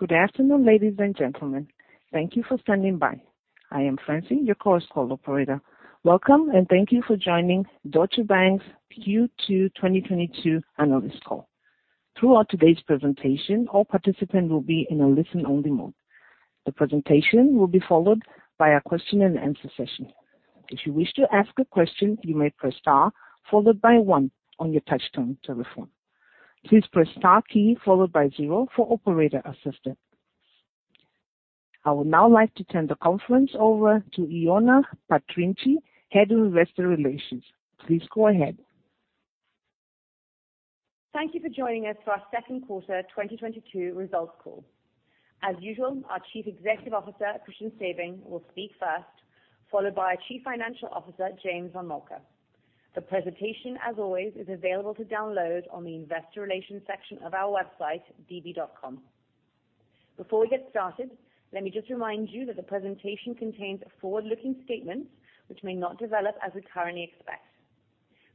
Good afternoon, ladies and gentlemen. Thank you for standing by. I am Francine, your call operator. Welcome, and thank you for joining Deutsche Bank's Q2 2022 analyst call. Throughout today's presentation, all participants will be in a listen-only mode. The presentation will be followed by a question and answer session. If you wish to ask a question, you may press star followed by one on your touchtone telephone. Please press star key followed by zero for operator assistance. I would now like to turn the conference over to Ioana Patriniche, Head of Investor Relations. Please go ahead. Thank you for joining us for our Q2 2022 results call. As usual, our Chief Executive Officer, Christian Sewing, will speak first, followed by our Chief Financial Officer, James von Moltke. The presentation, as always, is available to download on the investor relations section of our website, db.com. Before we get started, let me just remind you that the presentation contains forward-looking statements which may not develop as we currently expect.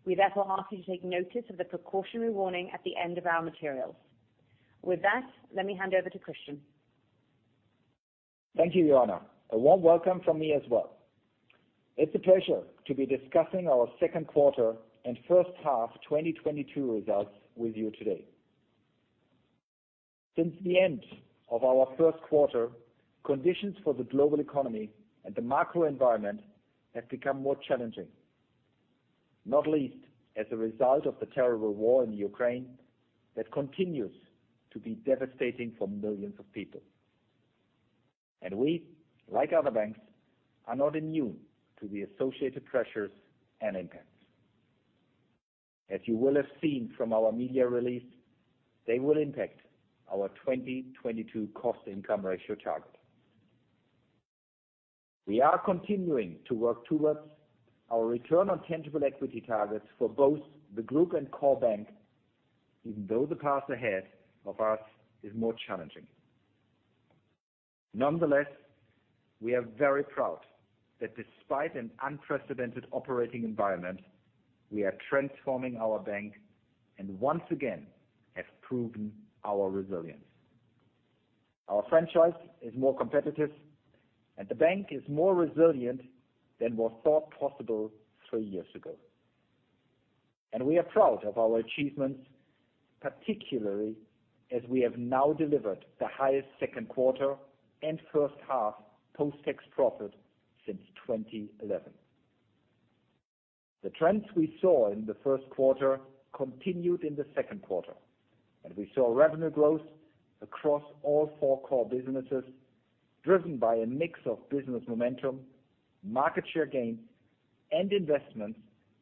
We therefore ask you to take notice of the precautionary warning at the end of our materials. With that, let me hand over to Christian. Thank you, Ioana. A warm welcome from me as well. It's a pleasure to be discussing our Q2 and H1 2022 results with you today. Since the end of our Q1, conditions for the global economy and the macro environment have become more challenging, not least as a result of the terrible war in Ukraine that continues to be devastating for millions of people. We, like other banks, are not immune to the associated pressures and impacts. As you will have seen from our media release, they will impact our 2022 cost income ratio target. We are continuing to work towards our return on tangible equity targets for both the group and core bank, even though the path ahead of us is more challenging. Nonetheless, we are very proud that despite an unprecedented operating environment, we are transforming our bank and once again have proven our resilience. Our franchise is more competitive and the bank is more resilient than was thought possible 3 years ago. We are proud of our achievements, particularly as we have now delivered the highest Q2 and H1 post-tax profit since 2011. The trends we saw in the Q1 continued in the Q2, and we saw revenue growth across all 4 core businesses, driven by a mix of business momentum, market share gains, and investments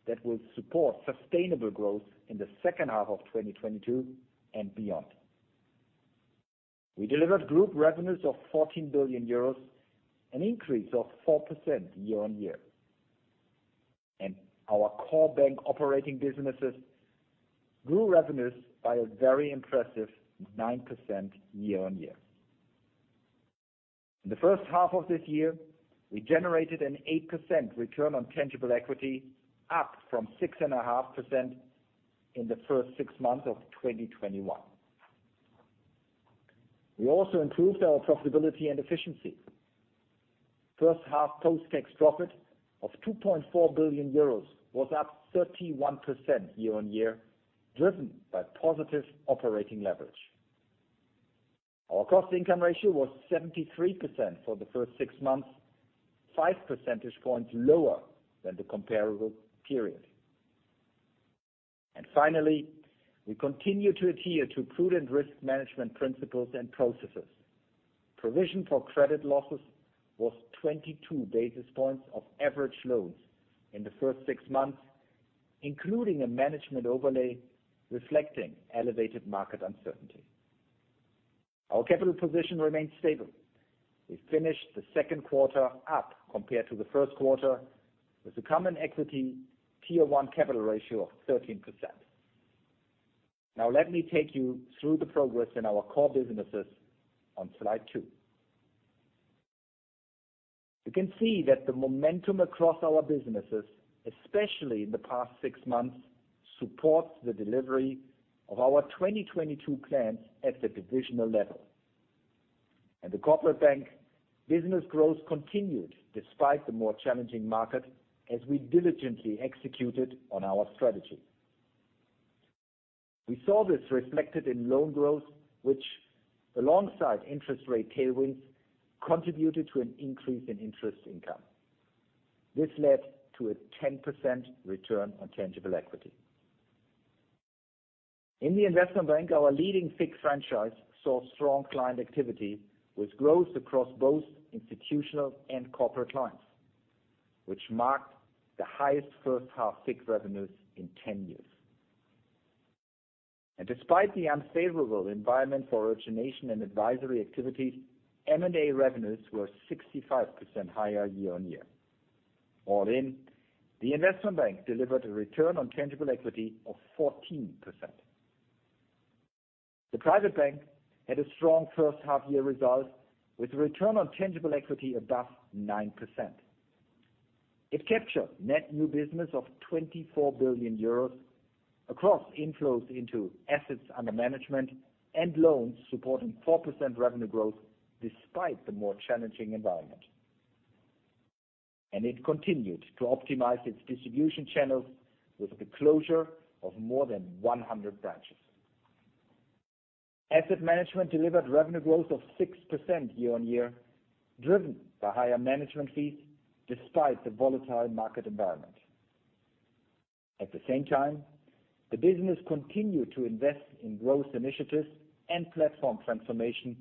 that will support sustainable growth in the H2 of 2022 and beyond. We delivered group revenues of 14 billion euros, an increase of 4% year-over-year. Our core bank operating businesses grew revenues by a very impressive 9% year-over-year. In the H1 of this year, we generated an 8% return on tangible equity, up from 6.5% in the first 6 months of 2021. We also improved our profitability and efficiency. H1 post-tax profit of 2.4 billion euros was up 31% year-on-year, driven by positive operating leverage. Our cost income ratio was 73% for the first 6 months, 5% points lower than the comparable period. Finally, we continue to adhere to prudent risk management principles and processes. Provision for credit losses was 22 basis points of average loans in the first 6 months, including a management overlay reflecting elevated market uncertainty. Our capital position remains stable. We finished the Q2 up compared to the Q1 with a common equity tier 1 capital ratio of 13%. Now let me take you through the progress in our core businesses on slide 2. You can see that the momentum across our businesses, especially in the past 6 months, supports the delivery of our 2022 plans at the divisional level. At the Corporate Bank, business growth continued despite the more challenging market as we diligently executed on our strategy. We saw this reflected in loan growth, which alongside interest rate tailwinds contributed to an increase in interest income. This led to a 10% return on tangible equity. In the Investment Bank, our leading FICC franchise saw strong client activity with growth across both institutional and corporate clients, which marked the highest H1 FICC revenues in 10 years. Despite the unfavorable environment for origination and advisory activities, M&A revenues were 65% higher year-on-year. All in, the investment bank delivered a return on tangible equity of 14%. The private bank had a strong H1-year result with a return on tangible equity above 9%. It captured net new business of 24 billion euros across inflows into assets under management and loans supporting 4% revenue growth despite the more challenging environment. It continued to optimize its distribution channels with the closure of more than 100 branches. Asset management delivered revenue growth of 6% year-on-year, driven by higher management fees despite the volatile market environment. At the same time, the business continued to invest in growth initiatives and platform transformation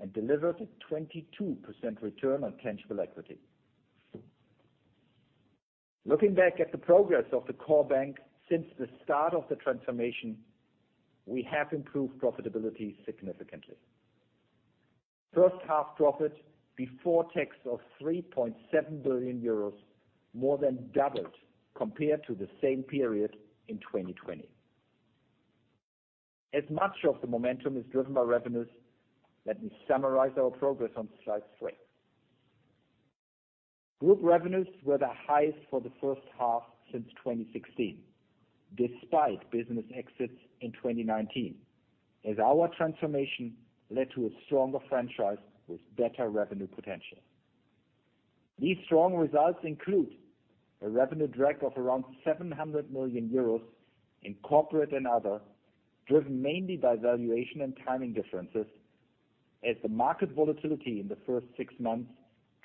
and delivered a 22% return on tangible equity. Looking back at the progress of the core bank since the start of the transformation, we have improved profitability significantly. H11 profit before tax of 3.7 billion euros more than doubled compared to the same period in 2020. As much of the momentum is driven by revenues, let me summarize our progress on slide 3. Group revenues were the highest for the H1 since 2016, despite business exits in 2019, as our transformation led to a stronger franchise with better revenue potential. These strong results include a revenue drag of around 700 million euros in corporate and other, driven mainly by valuation and timing differences as the market volatility in the first 6 months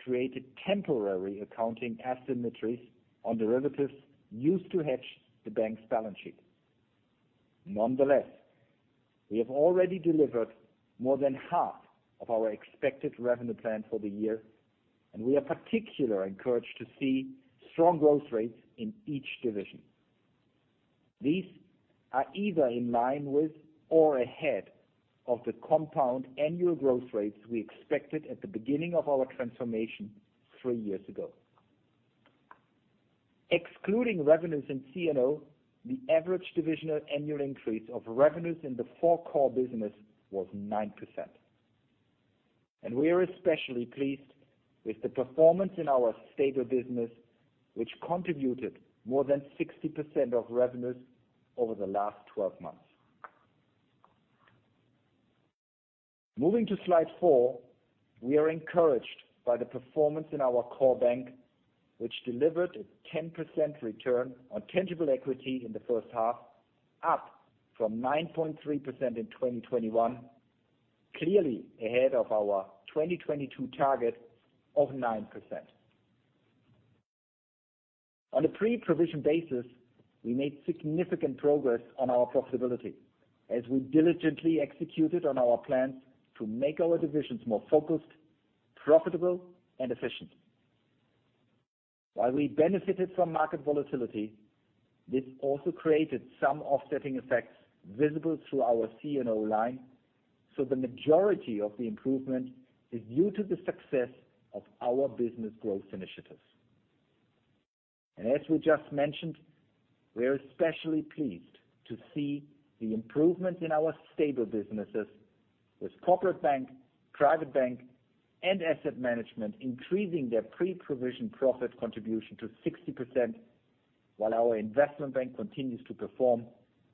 created temporary accounting asymmetries on derivatives used to hedge the bank's balance sheet. Nonetheless, we have already delivered more than half of our expected revenue plan for the year, and we are particularly encouraged to see strong growth rates in each division. These are either in line with or ahead of the compound annual growth rates we expected at the beginning of our transformation 3 years ago. Excluding revenues in C&O, the average divisional annual increase of revenues in the 4 core business was 9%. We are especially pleased with the performance in our stable business, which contributed more than 60% of revenues over the last 12 months. Moving to slide 4. We are encouraged by the performance in our core bank, which delivered a 10% return on tangible equity in the H1, up from 9.3% in 2021, clearly ahead of our 2022 target of 9%. On a pre-provision basis, we made significant progress on our profitability as we diligently executed on our plans to make our divisions more focused, profitable and efficient. While we benefited from market volatility, this also created some offsetting effects visible through our C&O line, so the majority of the improvement is due to the success of our business growth initiatives. As we just mentioned, we are especially pleased to see the improvement in our stable businesses with Corporate Bank, Private Bank and asset management increasing their pre-provision profit contribution to 60%, while our Investment Bank continues to perform,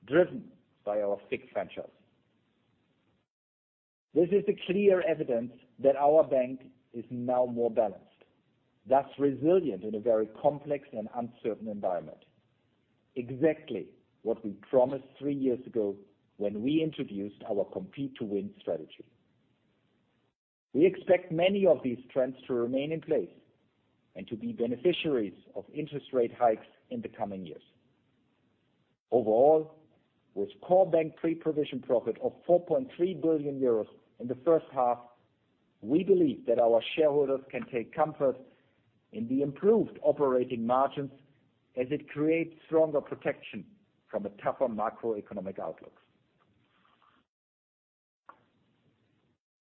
driven by our fixed income. This is a clear evidence that our bank is now more balanced, thus resilient in a very complex and uncertain environment. Exactly what we promised 3 years ago when we introduced our Compete to Win strategy. We expect many of these trends to remain in place and to be beneficiaries of interest rate hikes in the coming years. Overall, with core bank pre-provision profit of 4.3 billion euros in the H1, we believe that our shareholders can take comfort in the improved operating margins as it creates stronger protection from a tougher macroeconomic outlook.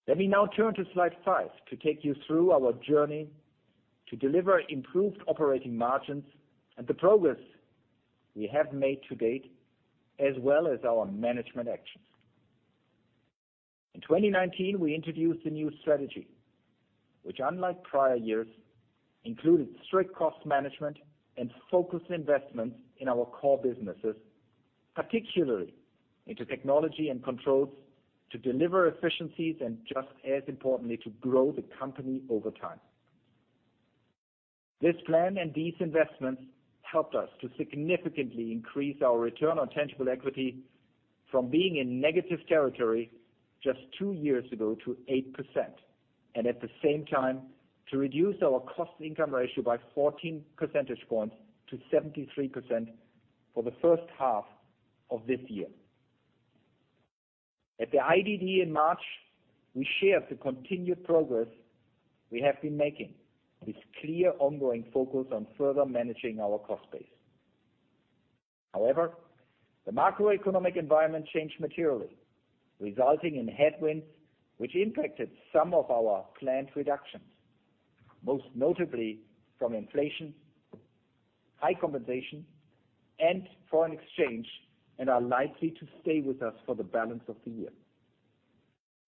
Let me now turn to slide 5 to take you through our journey to deliver improved operating margins and the progress we have made to date, as well as our management actions. In 2019, we introduced a new strategy, which unlike prior years, included strict cost management and focused investments in our core businesses, particularly into technology and controls to deliver efficiencies and just as importantly, to grow the company over time. This plan and these investments helped us to significantly increase our return on tangible equity from being in negative territory just 2 years ago to 8%, and at the same time to reduce our cost income ratio by 14% points to 73% for the H1 of this year. At the IDD in March, we shared the continued progress we have been making with clear ongoing focus on further managing our cost base. However, the macroeconomic environment changed materially, resulting in headwinds which impacted some of our planned reductions, most notably from inflation, high compensation, and foreign exchange, and are likely to stay with us for the balance of the year.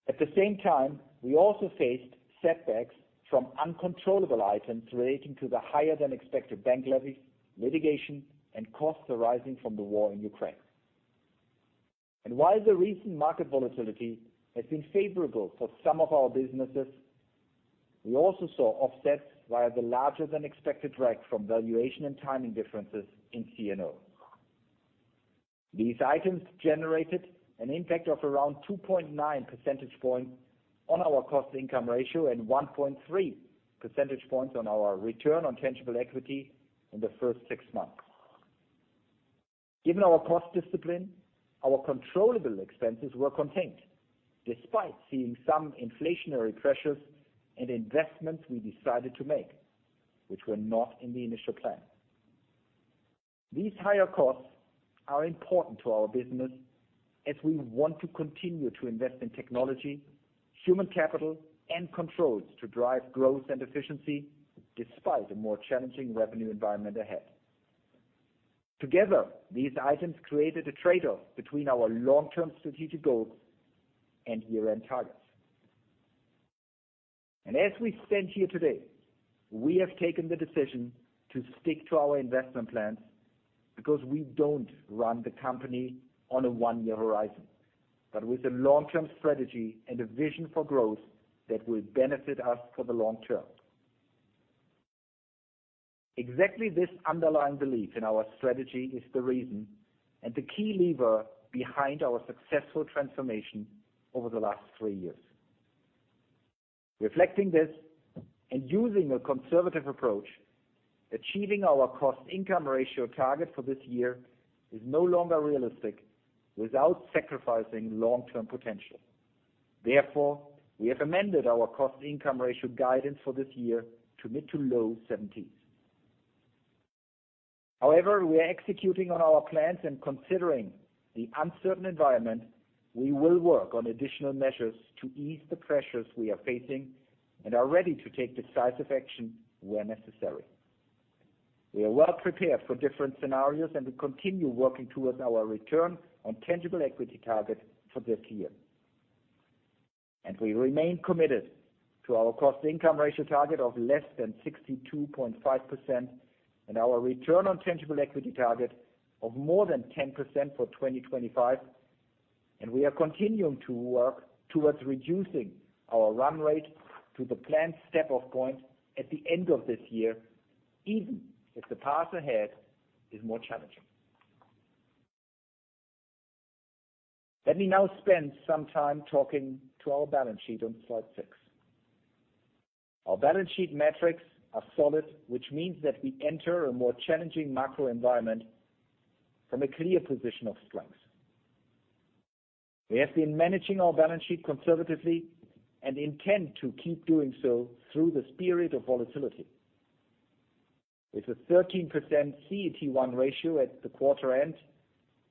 At the same time, we also faced setbacks from uncontrollable items relating to the higher than expected bank levies, litigation, and costs arising from the war in Ukraine. While the recent market volatility has been favorable for some of our businesses, we also saw offsets via the larger than expected drag from valuation and timing differences in C&O. These items generated an impact of around 2.9% points on our cost income ratio and 1.3% points on our return on tangible equity in the first 6 months. Given our cost discipline, our controllable expenses were contained despite seeing some inflationary pressures and investments we decided to make which were not in the initial plan. These higher costs are important to our business as we want to continue to invest in technology, human capital and controls to drive growth and efficiency despite a more challenging revenue environment ahead. Together, these items created a trade-off between our long-term strategic goals and year-end targets. As we stand here today, we have taken the decision to stick to our investment plans because we don't run the company on a 1-year horizon, but with a long-term strategy and a vision for growth that will benefit us for the long term. Exactly this underlying belief in our strategy is the reason and the key lever behind our successful transformation over the last 3 years. Reflecting this and using a conservative approach, achieving our cost income ratio target for this year is no longer realistic without sacrificing long-term potential. Therefore, we have amended our cost income ratio guidance for this year to mid- to low-70s%. However, we are executing on our plans and considering the uncertain environment, we will work on additional measures to ease the pressures we are facing and are ready to take decisive action where necessary. We are well prepared for different scenarios, and we continue working towards our return on tangible equity target for this year. We remain committed to our cost income ratio target of less than 62.5% and our return on tangible equity target of more than 10% for 2025, and we are continuing to work towards reducing our run rate to the planned step off point at the end of this year, even if the path ahead is more challenging. Let me now spend some time talking to our balance sheet on slide 6. Our balance sheet metrics are solid, which means that we enter a more challenging macro environment from a clear position of strength. We have been managing our balance sheet conservatively and intend to keep doing so through this period of volatility. With a 13% CET1 ratio at the quarter end,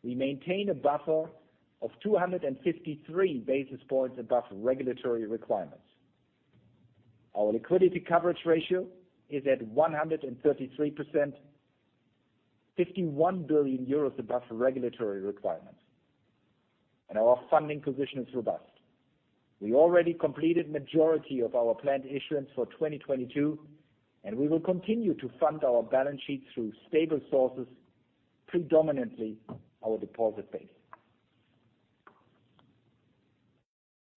we maintain a buffer of 253 basis points above regulatory requirements. Our liquidity coverage ratio is at 133%, EUR 51 billion above regulatory requirements, and our funding position is robust. We already completed majority of our planned issuance for 2022, and we will continue to fund our balance sheet through stable sources, predominantly our deposit base.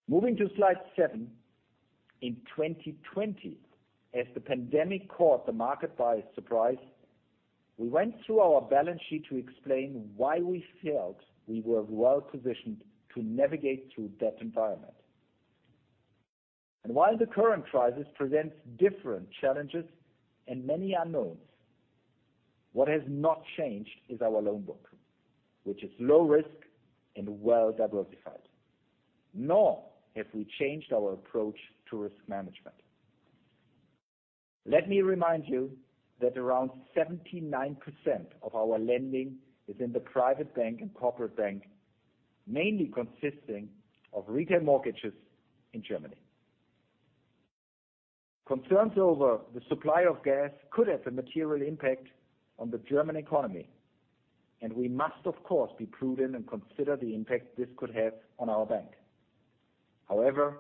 Moving to slide 7. In 2020, as the pandemic caught the market by surprise, we went through our balance sheet to explain why we felt we were well positioned to navigate through that environment. While the current crisis presents different challenges and many unknowns, what has not changed is our loan book, which is low risk and well diversified. Nor have we changed our approach to risk management. Let me remind you that around 79% of our lending is in the Private Bank and Corporate Bank, mainly consisting of retail mortgages in Germany. Concerns over the supply of gas could have a material impact on the German economy, and we must of course, be prudent and consider the impact this could have on our bank. However,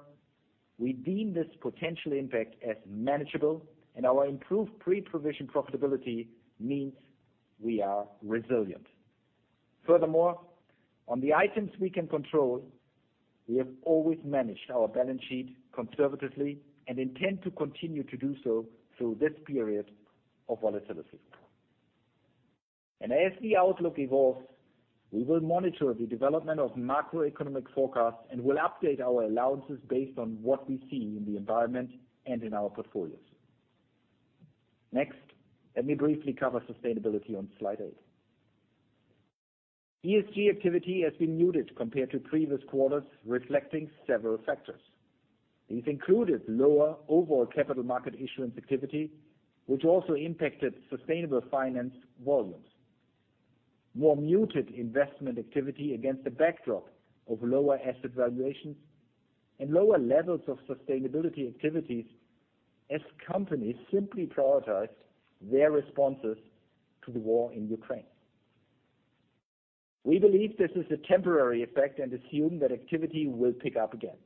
we deem this potential impact as manageable and our improved pre-provision profitability means we are resilient. Furthermore, on the items we can control, we have always managed our balance sheet conservatively and intend to continue to do so through this period of volatility. As the outlook evolves, we will monitor the development of macroeconomic forecasts and will update our allowances based on what we see in the environment and in our portfolios. Next, let me briefly cover sustainability on slide 8. ESG activity has been muted compared to previous quarters, reflecting several factors. These included lower overall capital market issuance activity, which also impacted sustainable finance volumes, more muted investment activity against the backdrop of lower asset valuations and lower levels of sustainability activities as companies simply prioritized their responses to the war in Ukraine. We believe this is a temporary effect and assume that activity will pick up again.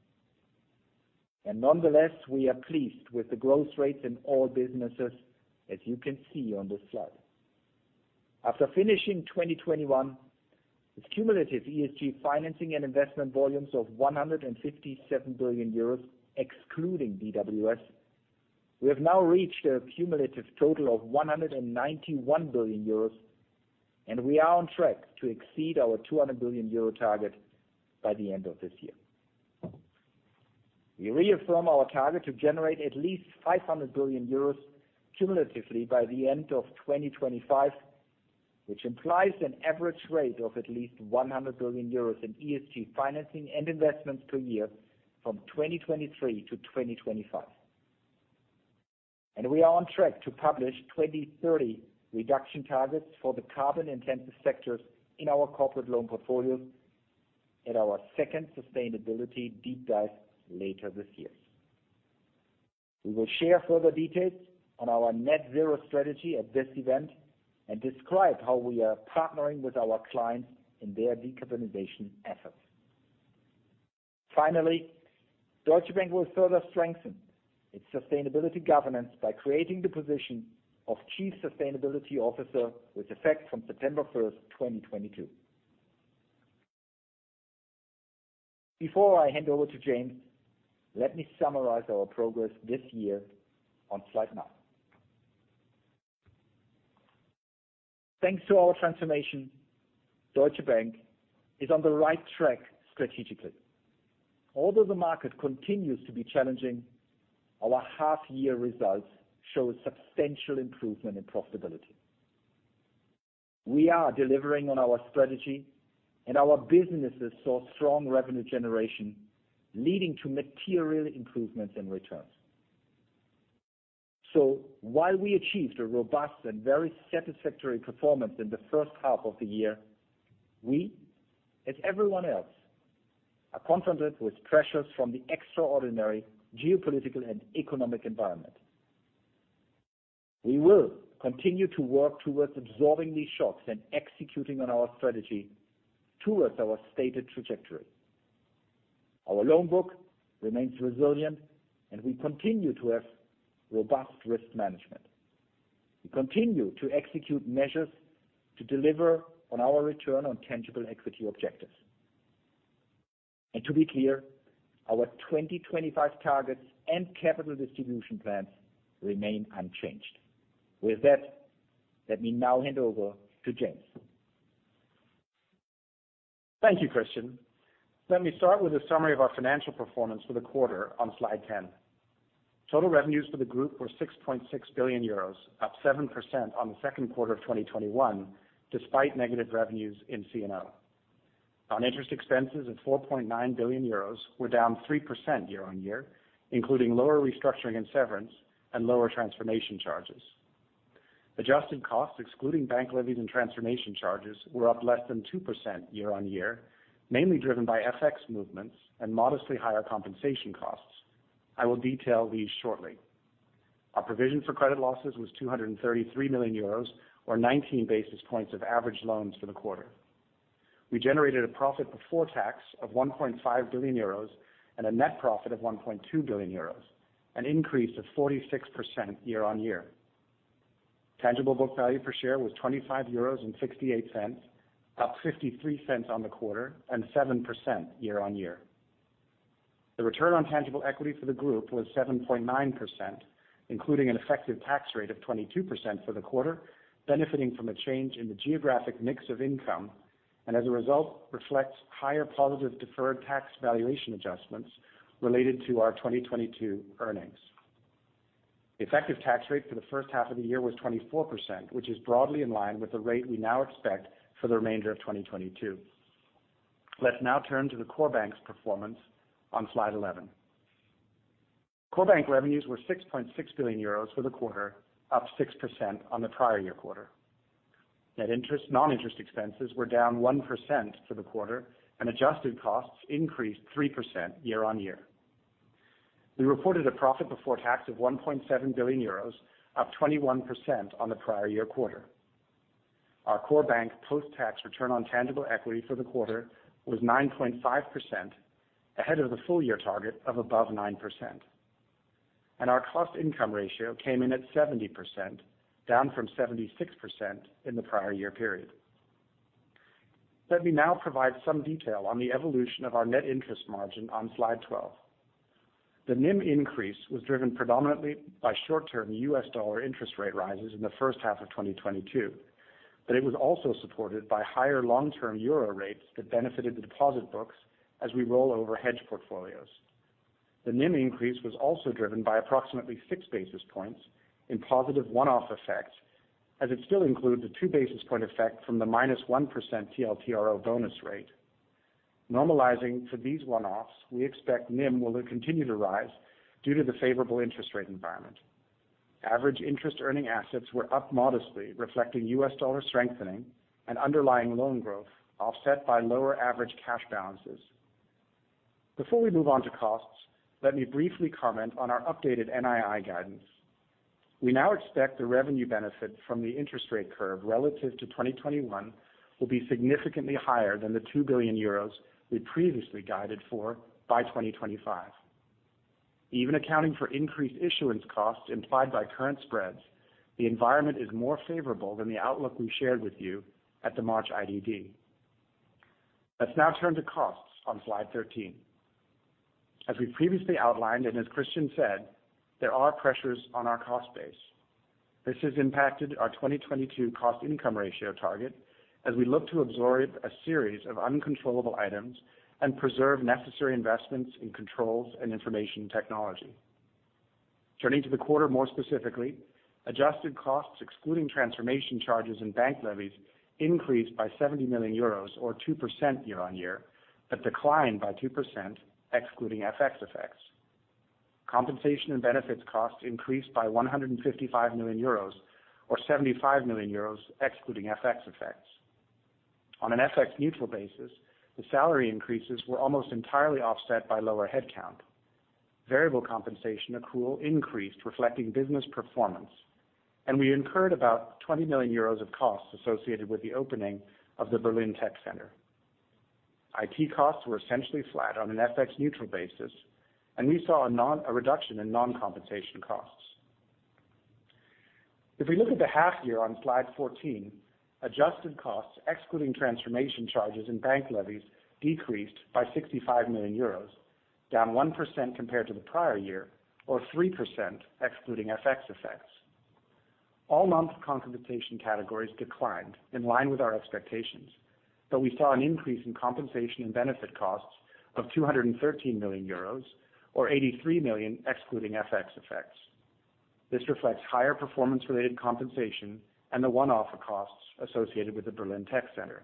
Nonetheless, we are pleased with the growth rates in all businesses, as you can see on this slide. After finishing 2021 with cumulative ESG financing and investment volumes of 157 billion euros, excluding DWS, we have now reached a cumulative total of 191 billion euros, and we are on track to exceed our 200 billion euro target by the end of this year. We reaffirm our target to generate at least 500 billion euros cumulatively by the end of 2025, which implies an average rate of at least 100 billion euros in ESG financing and investments per year from 2023 to 2025. We are on track to publish 2030 reduction targets for the carbon-intensive sectors in our corporate loan portfolio at our second sustainability deep dive later this year. We will share further details on our net zero strategy at this event and describe how we are partnering with our clients in their decarbonization efforts. Finally, Deutsche Bank will further strengthen its sustainability governance by creating the position of chief sustainability officer with effect from September 1, 2022. Before I hand over to James, let me summarize our progress this year on slide 9. Thanks to our transformation, Deutsche Bank is on the right track strategically. Although the market continues to be challenging, our half year results show a substantial improvement in profitability. We are delivering on our strategy and our businesses saw strong revenue generation leading to material improvements in returns. While we achieved a robust and very satisfactory performance in the H1 of the year, we, as everyone else, are confronted with pressures from the extraordinary geopolitical and economic environment. We will continue to work towards absorbing these shocks and executing on our strategy towards our stated trajectory. Our loan book remains resilient, and we continue to have robust risk management. We continue to execute measures to deliver on our return on tangible equity objectives. To be clear, our 2025 targets and capital distribution plans remain unchanged. With that, let me now hand over to James. Thank you, Christian. Let me start with a summary of our financial performance for the quarter on slide 10. Total revenues for the group were 6.6 billion euros, up 7% on the Q2 of 2021, despite negative revenues in C&O. Non-interest expenses of 4.9 billion euros were down 3% year-on-year, including lower restructuring and severance and lower transformation charges. Adjusted costs, excluding bank levies and transformation charges, were up less than 2% year-on-year, mainly driven by FX movements and modestly higher compensation costs. I will detail these shortly. Our provision for credit losses was 233 million euros, or 19 basis points of average loans for the quarter. We generated a profit before tax of 1.5 billion euros and a net profit of 1.2 billion euros, an increase of 46% year-on-year. Tangible book value per share was 25.68 euros, up 53 cents on the quarter and 7% year-on-year. The return on tangible equity for the group was 7.9%, including an effective tax rate of 22% for the quarter, benefiting from a change in the geographic mix of income, and as a result, reflects higher positive deferred tax valuation adjustments related to our 2022 earnings. The effective tax rate for the H1 of the year was 24%, which is broadly in line with the rate we now expect for the remainder of 2022. Let's now turn to the core bank's performance on slide 11. Core bank revenues were 6.6 billion euros for the quarter, up 6% on the prior year quarter. Net interest and non-interest expenses were down 1% for the quarter and adjusted costs increased 3% year-on-year. We reported a profit before tax of 1.7 billion euros, up 21% on the prior year quarter. Our core bank post-tax return on tangible equity for the quarter was 9.5%, ahead of the full year target of above 9%. Our cost income ratio came in at 70%, down from 76% in the prior year period. Let me now provide some detail on the evolution of our net interest margin on slide 12. The NIM increase was driven predominantly by short-term US dollar interest rate rises in the H1 of 2022, but it was also supported by higher long-term euro rates that benefited the deposit books as we roll over hedge portfolios. The NIM increase was also driven by approximately 6 basis points in positive one-off effects, as it still includes a 2 basis point effect from the -1% TLTRO bonus rate. Normalizing for these one-offs, we expect NIM will continue to rise due to the favorable interest rate environment. Average interest earning assets were up modestly, reflecting US dollar strengthening and underlying loan growth offset by lower average cash balances. Before we move on to costs, let me briefly comment on our updated NII guidance. We now expect the revenue benefit from the interest rate curve relative to 2021 will be significantly higher than the 2 billion euros we previously guided for by 2025. Even accounting for increased issuance costs implied by current spreads, the environment is more favorable than the outlook we shared with you at the March IDD. Let's now turn to costs on slide 13. As we previously outlined, and as Christian said, there are pressures on our cost base. This has impacted our 2022 cost income ratio target as we look to absorb a series of uncontrollable items and preserve necessary investments in controls and information technology. Turning to the quarter more specifically, adjusted costs excluding transformation charges and bank levies increased by 70 million euros or 2% year-on-year, but declined by 2% excluding FX effects. Compensation and benefits costs increased by 155 million euros or 75 million euros excluding FX effects. On an FX neutral basis, the salary increases were almost entirely offset by lower head count. Variable compensation accrual increased reflecting business performance, and we incurred about 20 million euros of costs associated with the opening of the Berlin Tech Center. IT costs were essentially flat on an FX neutral basis, and we saw a reduction in non-compensation costs. If we look at the half year on slide 14, adjusted costs excluding transformation charges and bank levies decreased by 65 million euros, down 1% compared to the prior year or 3% excluding FX effects. All non-compensation categories declined in line with our expectations, but we saw an increase in compensation and benefits costs of 213 million euros or 83 million excluding FX effects. This reflects higher performance-related compensation and the one-off costs associated with the Berlin Tech Center.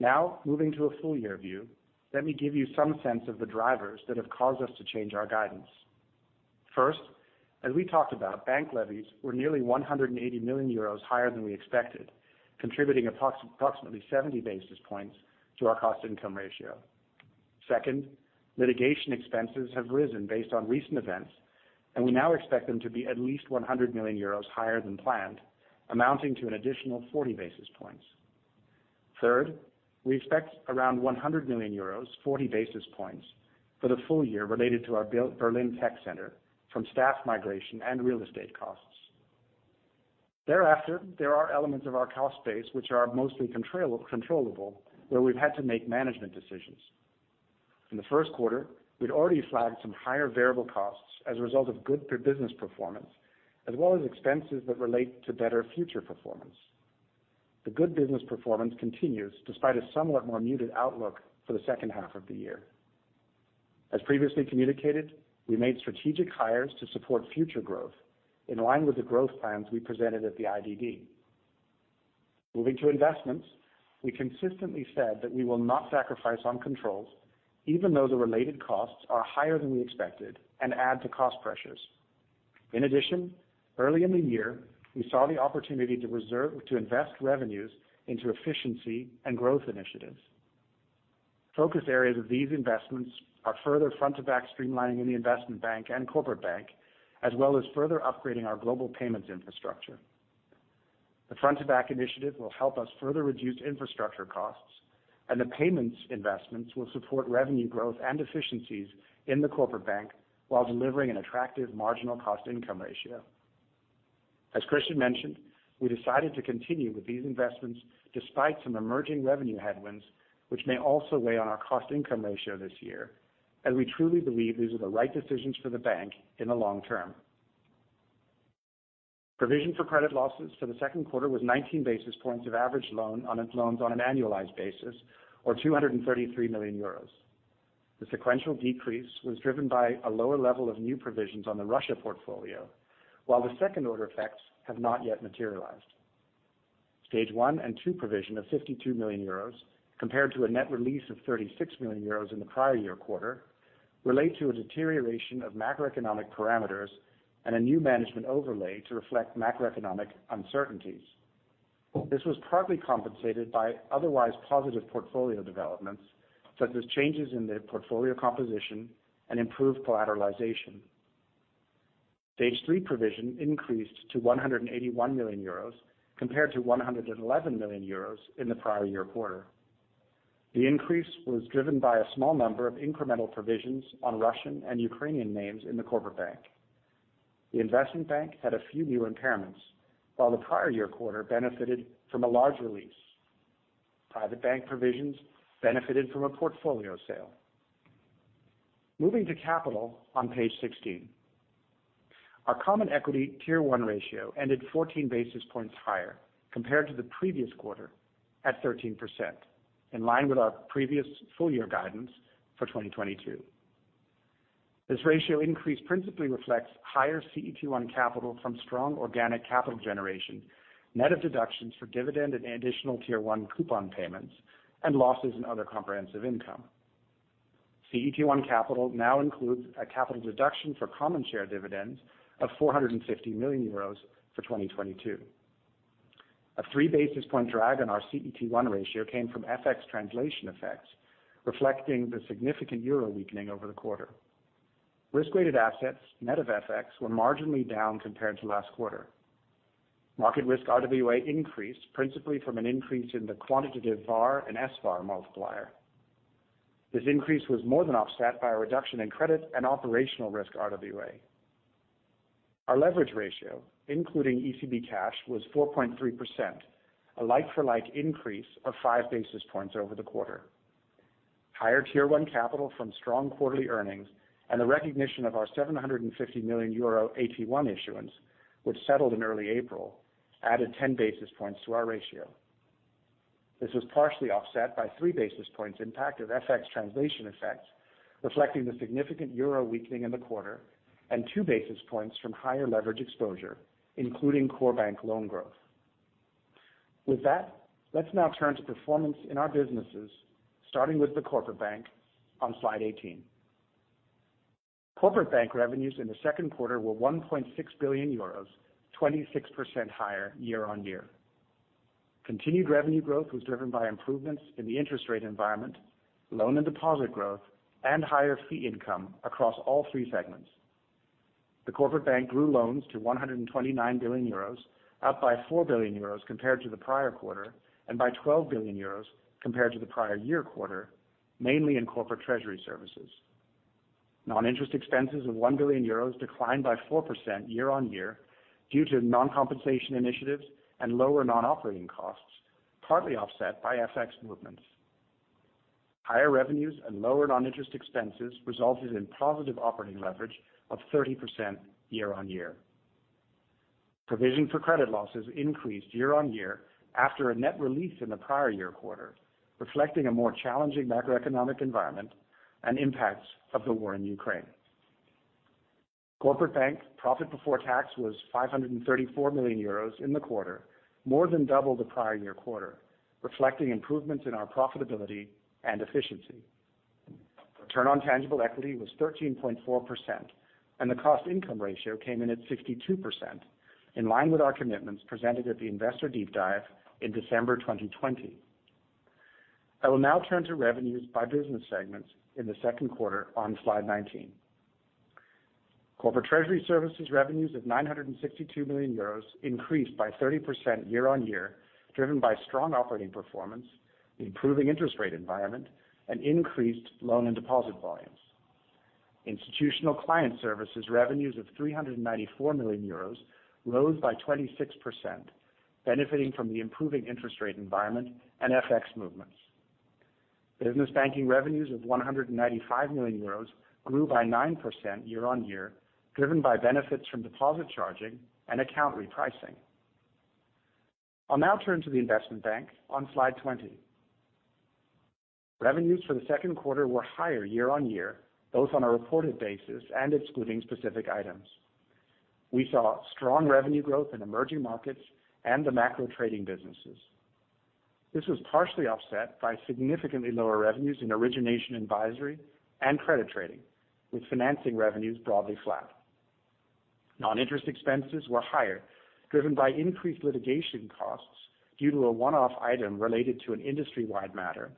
Now moving to a full year view, let me give you some sense of the drivers that have caused us to change our guidance. First, as we talked about, bank levies were nearly 180 million euros higher than we expected, contributing approximately 70 basis points to our cost income ratio. Second, litigation expenses have risen based on recent events, and we now expect them to be at least 100 million euros higher than planned, amounting to an additional 40 basis points. Third, we expect around 100 million euros, 40 basis points for the full year related to our Berlin Tech Center from staff migration and real estate costs. Thereafter, there are elements of our cost base which are mostly controllable, where we've had to make management decisions. In the Q1, we'd already flagged some higher variable costs as a result of good per business performance, as well as expenses that relate to better future performance. The good business performance continues despite a somewhat more muted outlook for the H2 of the year. As previously communicated, we made strategic hires to support future growth in line with the growth plans we presented at the IDD. Moving to investments, we consistently said that we will not sacrifice on controls even though the related costs are higher than we expected and add to cost pressures. In addition, early in the year, we saw the opportunity to invest revenues into efficiency and growth initiatives. Focus areas of these investments are further front to back streamlining in the Investment Bank and Corporate Bank, as well as further upgrading our global payments infrastructure. The front to back initiative will help us further reduce infrastructure costs, and the payments investments will support revenue growth and efficiencies in the Corporate Bank while delivering an attractive marginal cost income ratio. As Christian mentioned, we decided to continue with these investments despite some emerging revenue headwinds, which may also weigh on our cost income ratio this year, and we truly believe these are the right decisions for the bank in the long term. Provision for credit losses for the Q2 was 19 basis points of average loans on an annualized basis, or 233 million euros. The sequential decrease was driven by a lower level of new provisions on the Russia portfolio, while the second order effects have not yet materialized. Stage 1 and 2 provision of 52 million euros compared to a net release of 36 million euros in the prior year quarter relate to a deterioration of macroeconomic parameters and a new management overlay to reflect macroeconomic uncertainties. This was partly compensated by otherwise positive portfolio developments, such as changes in the portfolio composition and improved collateralization. Stage 3 provision increased to 181 million euros compared to 111 million euros in the prior year quarter. The increase was driven by a small number of incremental provisions on Russian and Ukrainian names in the Corporate Bank. The Investment Bank had a few new impairments, while the prior year quarter benefited from a large release. Private Bank provisions benefited from a portfolio sale. Moving to capital on page 16. Our common equity tier 1 ratio ended 14 basis points higher compared to the previous quarter at 13%, in line with our previous full year guidance for 2022. This ratio increase principally reflects higher CET1 capital from strong organic capital generation, net of deductions for dividend and additional tier 1 coupon payments and losses in other comprehensive income. CET1 capital now includes a capital deduction for common share dividends of 450 million euros for 2022. A 3 basis points drag on our CET1 ratio came from FX translation effects, reflecting the significant euro weakening over the quarter. Risk-weighted assets net of FX were marginally down compared to last quarter. Market risk RWA increased principally from an increase in the quantitative VAR and SVAR multiplier. This increase was more than offset by a reduction in credit and operational risk RWA. Our leverage ratio, including ECB cash, was 4.3%, a like-for-like increase of 5 basis points over the quarter. Higher Tier 1 capital from strong quarterly earnings and the recognition of our 750 million euro AT1 issuance, which settled in early April, added 10 basis points to our ratio. This was partially offset by 3 basis points impact of FX translation effects, reflecting the significant euro weakening in the quarter and 2 basis points from higher leverage exposure, including core bank loan growth. With that, let's now turn to performance in our businesses, starting with the Corporate Bank on Slide 18. Corporate Bank revenues in the Q2 were 1.6 billion euros, 26% higher year-on-year. Continued revenue growth was driven by improvements in the interest rate environment, loan and deposit growth, and higher fee income across all 3 segments. The Corporate Bank grew loans to 129 billion euros, up by 4 billion euros compared to the prior quarter and by 12 billion euros compared to the prior year quarter, mainly in Corporate Treasury Services. Non-interest expenses of 1 billion euros declined by 4% year-on-year due to non-compensation initiatives and lower non-operating costs, partly offset by FX movements. Higher revenues and lower non-interest expenses resulted in positive operating leverage of 30% year-on-year. Provision for credit losses increased year-on-year after a net release in the prior year quarter, reflecting a more challenging macroeconomic environment and impacts of the war in Ukraine. Corporate Bank profit before tax was 534 million euros in the quarter, more than double the prior year quarter, reflecting improvements in our profitability and efficiency. Return on tangible equity was 13.4%, and the cost income ratio came in at 62%, in line with our commitments presented at the Investor Deep Dive in December 2020. I will now turn to revenues by business segments in the Q2 on Slide 19. Corporate Treasury Services revenues of 962 million euros increased by 30% year-on-year, driven by strong operating performance, improving interest rate environment and increased loan and deposit volumes. Institutional Client Services revenues of 394 million euros rose by 26%, benefiting from the improving interest rate environment and FX movements. Business Banking revenues of 195 million euros grew by 9% year-on-year, driven by benefits from deposit charging and account repricing. I'll now turn to the Investment Bank on Slide 20. Revenues for the Q2 were higher year-over-year, both on a reported basis and excluding specific items. We saw strong revenue growth in emerging markets and the macro trading businesses. This was partially offset by significantly lower revenues in origination advisory and credit trading, with financing revenues broadly flat. Non-interest expenses were higher, driven by increased litigation costs due to a one-off item related to an industry-wide matter,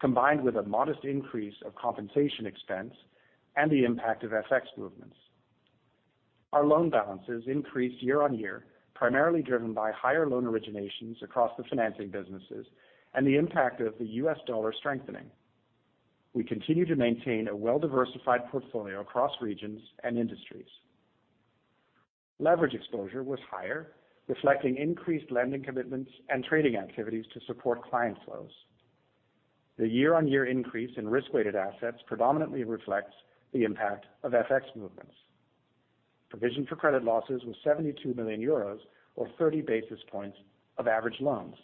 combined with a modest increase of compensation expense and the impact of FX movements. Our loan balances increased year-over-year, primarily driven by higher loan originations across the financing businesses and the impact of the US dollar strengthening. We continue to maintain a well-diversified portfolio across regions and industries. Leverage exposure was higher, reflecting increased lending commitments and trading activities to support client flows. The year-over-year increase in risk-weighted assets predominantly reflects the impact of FX movements. Provision for credit losses was 72 million euros, or 30 basis points of average loans.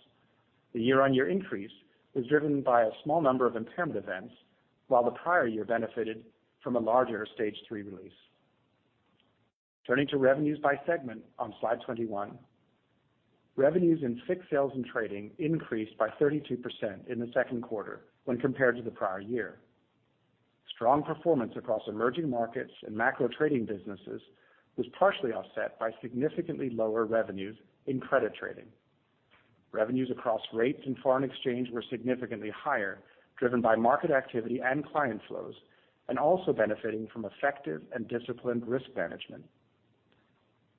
The year-on-year increase was driven by a small number of impairment events, while the prior year benefited from a larger Stage 3 release. Turning to revenues by segment on Slide 21. Revenues in FICC Sales and Trading increased by 32% in the Q2 when compared to the prior year. Strong performance across emerging markets and macro trading businesses was partially offset by significantly lower revenues in credit trading. Revenues across rates and foreign exchange were significantly higher, driven by market activity and client flows, and also benefiting from effective and disciplined risk management.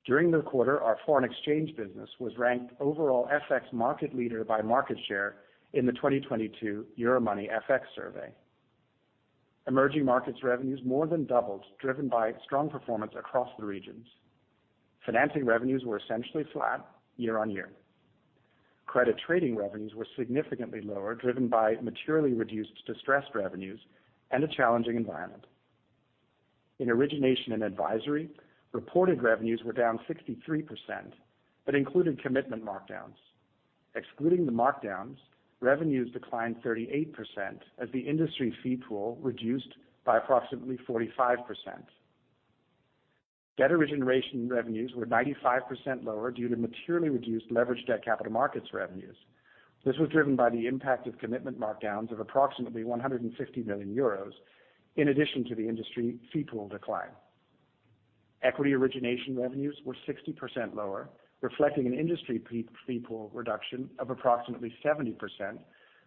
During the quarter, our foreign exchange business was ranked overall FX market leader by market share in the 2022 Euromoney FX survey. Emerging markets revenues more than doubled, driven by strong performance across the regions. Financing revenues were essentially flat year-on-year. Credit trading revenues were significantly lower, driven by materially reduced distressed revenues and a challenging environment. In origination and advisory, reported revenues were down 63%, but included commitment markdowns. Excluding the markdowns, revenues declined 38% as the industry fee pool reduced by approximately 45%. Debt origination revenues were 95% lower due to materially reduced leverage debt capital markets revenues. This was driven by the impact of commitment markdowns of approximately 150 million euros in addition to the industry fee pool decline. Equity origination revenues were 60% lower, reflecting an industry fee pool reduction of approximately 70%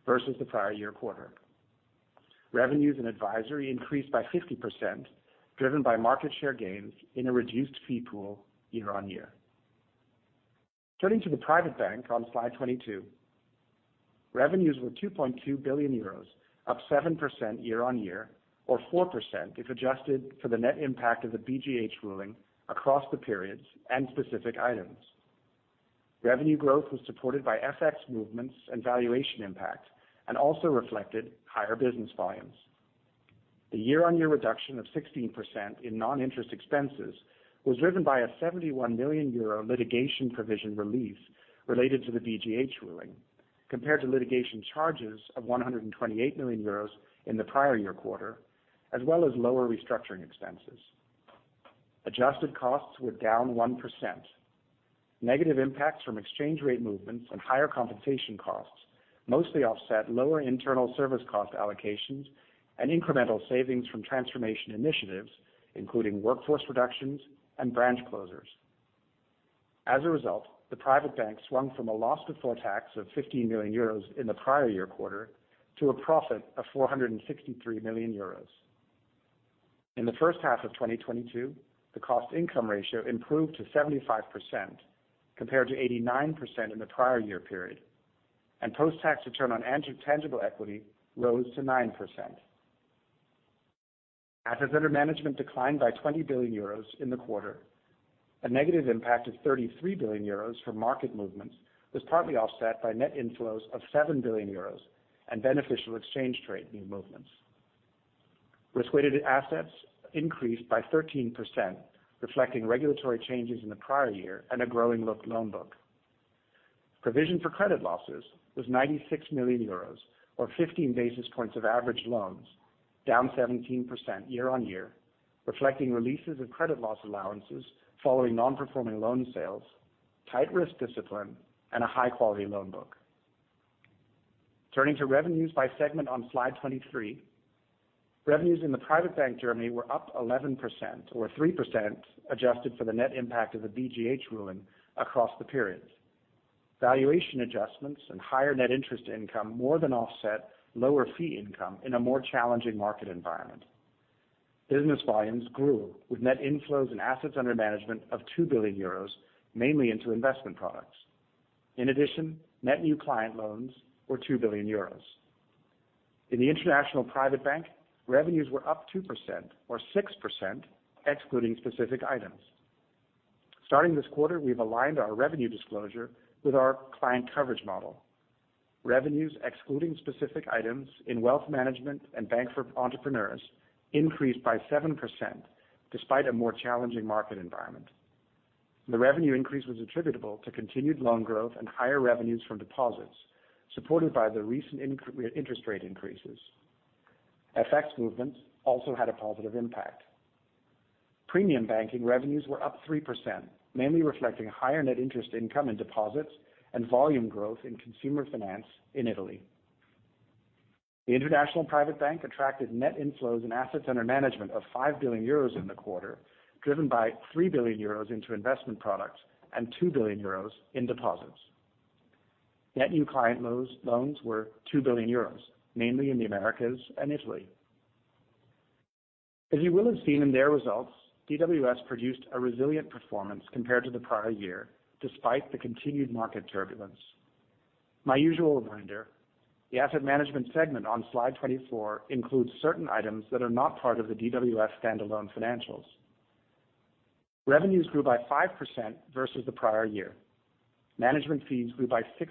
versus the prior year quarter. Revenues and advisory increased by 50%, driven by market share gains in a reduced fee pool year-on-year. Turning to the Private Bank on slide 22. Revenues were 2.2 billion euros, up 7% year-on-year or 4% if adjusted for the net impact of the BGH ruling across the periods and specific items. Revenue growth was supported by FX movements and valuation impact, and also reflected higher business volumes. The year-on-year reduction of 16% in non-interest expenses was driven by a 71 million euro litigation provision release related to the BGH ruling, compared to litigation charges of 128 million euros in the prior year quarter, as well as lower restructuring expenses. Adjusted costs were down 1%. Negative impacts from exchange rate movements and higher compensation costs mostly offset lower internal service cost allocations and incremental savings from transformation initiatives, including workforce reductions and branch closures. As a result, the Private Bank swung from a loss before tax of 15 million euros in the prior year quarter to a profit of 463 million euros. In the H1 of 2022, the cost income ratio improved to 75% compared to 89% in the prior year period, and post-tax return on tangible equity rose to 9%. Assets under management declined by 20 billion euros in the quarter. A negative impact of 33 billion euros from market movements was partly offset by net inflows of 7 billion euros and beneficial exchange rate movements. Risk-weighted assets increased by 13%, reflecting regulatory changes in the prior year and a growing loan book. Provision for credit losses was 96 million euros or 15 basis points of average loans, down 17% year-on-year, reflecting releases of credit loss allowances following non-performing loan sales, tight risk discipline, and a high-quality loan book. Turning to revenues by segment on slide 23. Revenues in the Private Bank Germany were up 11% or 3% adjusted for the net impact of the BGH ruling across the periods. Valuation adjustments and higher net interest income more than offset lower fee income in a more challenging market environment. Business volumes grew with net inflows and assets under management of 2 billion euros, mainly into investment products. In addition, net new client loans were 2 billion euros. In the International Private Bank, revenues were up 2% or 6%, excluding specific items. Starting this quarter, we've aligned our revenue disclosure with our client coverage model. Revenues excluding specific items in wealth management and Bank for Entrepreneurs increased by 7% despite a more challenging market environment. The revenue increase was attributable to continued loan growth and higher revenues from deposits, supported by the recent interest rate increases. FX movements also had a positive impact. Premium banking revenues were up 3%, mainly reflecting higher net interest income in deposits and volume growth in consumer finance in Italy. The international private bank attracted net inflows and assets under management of 5 billion euros in the quarter, driven by 3 billion euros into investment products and 2 billion euros in deposits. Net new client loans were 2 billion euros, mainly in the Americas and Italy. As you will have seen in their results, DWS produced a resilient performance compared to the prior year, despite the continued market turbulence. My usual reminder, the asset management segment on slide 24 includes certain items that are not part of the DWS standalone financials. Revenues grew by 5% versus the prior year. Management fees grew by 6%,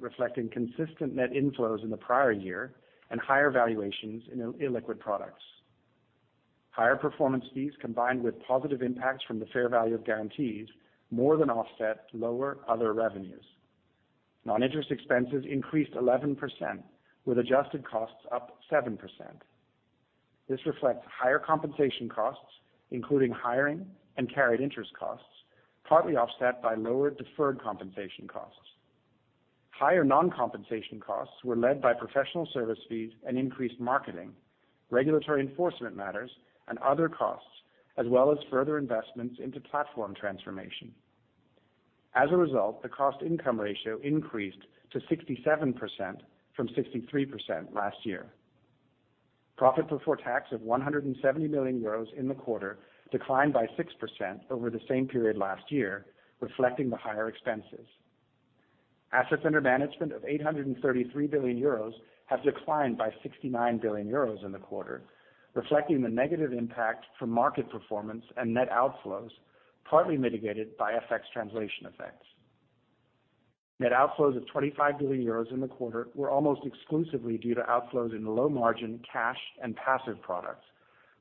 reflecting consistent net inflows in the prior year and higher valuations in illiquid products. Higher performance fees combined with positive impacts from the fair value of guarantees more than offset lower other revenues. Non-interest expenses increased 11% with adjusted costs up 7%. This reflects higher compensation costs, including hiring and carried interest costs, partly offset by lower deferred compensation costs. Higher non-compensation costs were led by professional service fees and increased marketing, regulatory enforcement matters and other costs, as well as further investments into platform transformation. As a result, the cost income ratio increased to 67% from 63% last year. Profit before tax of 170 million euros in the quarter declined by 6% over the same period last year, reflecting the higher expenses. Assets under management of 833 billion euros have declined by 69 billion euros in the quarter, reflecting the negative impact from market performance and net outflows, partly mitigated by FX translation effects. Net outflows of 25 billion euros in the quarter were almost exclusively due to outflows in low margin cash and passive products,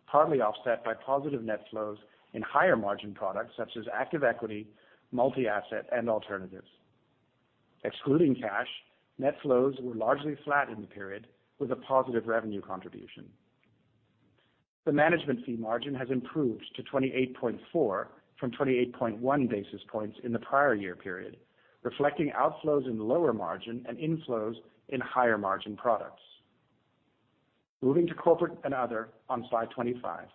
partly offset by positive net flows in higher margin products such as active equity, multi-asset, and alternatives. Excluding cash, net flows were largely flat in the period with a positive revenue contribution. The management fee margin has improved to 28.4 from 28.1 basis points in the prior year period, reflecting outflows in lower margin and inflows in higher margin products. Moving to Corporate and Other on slide 25.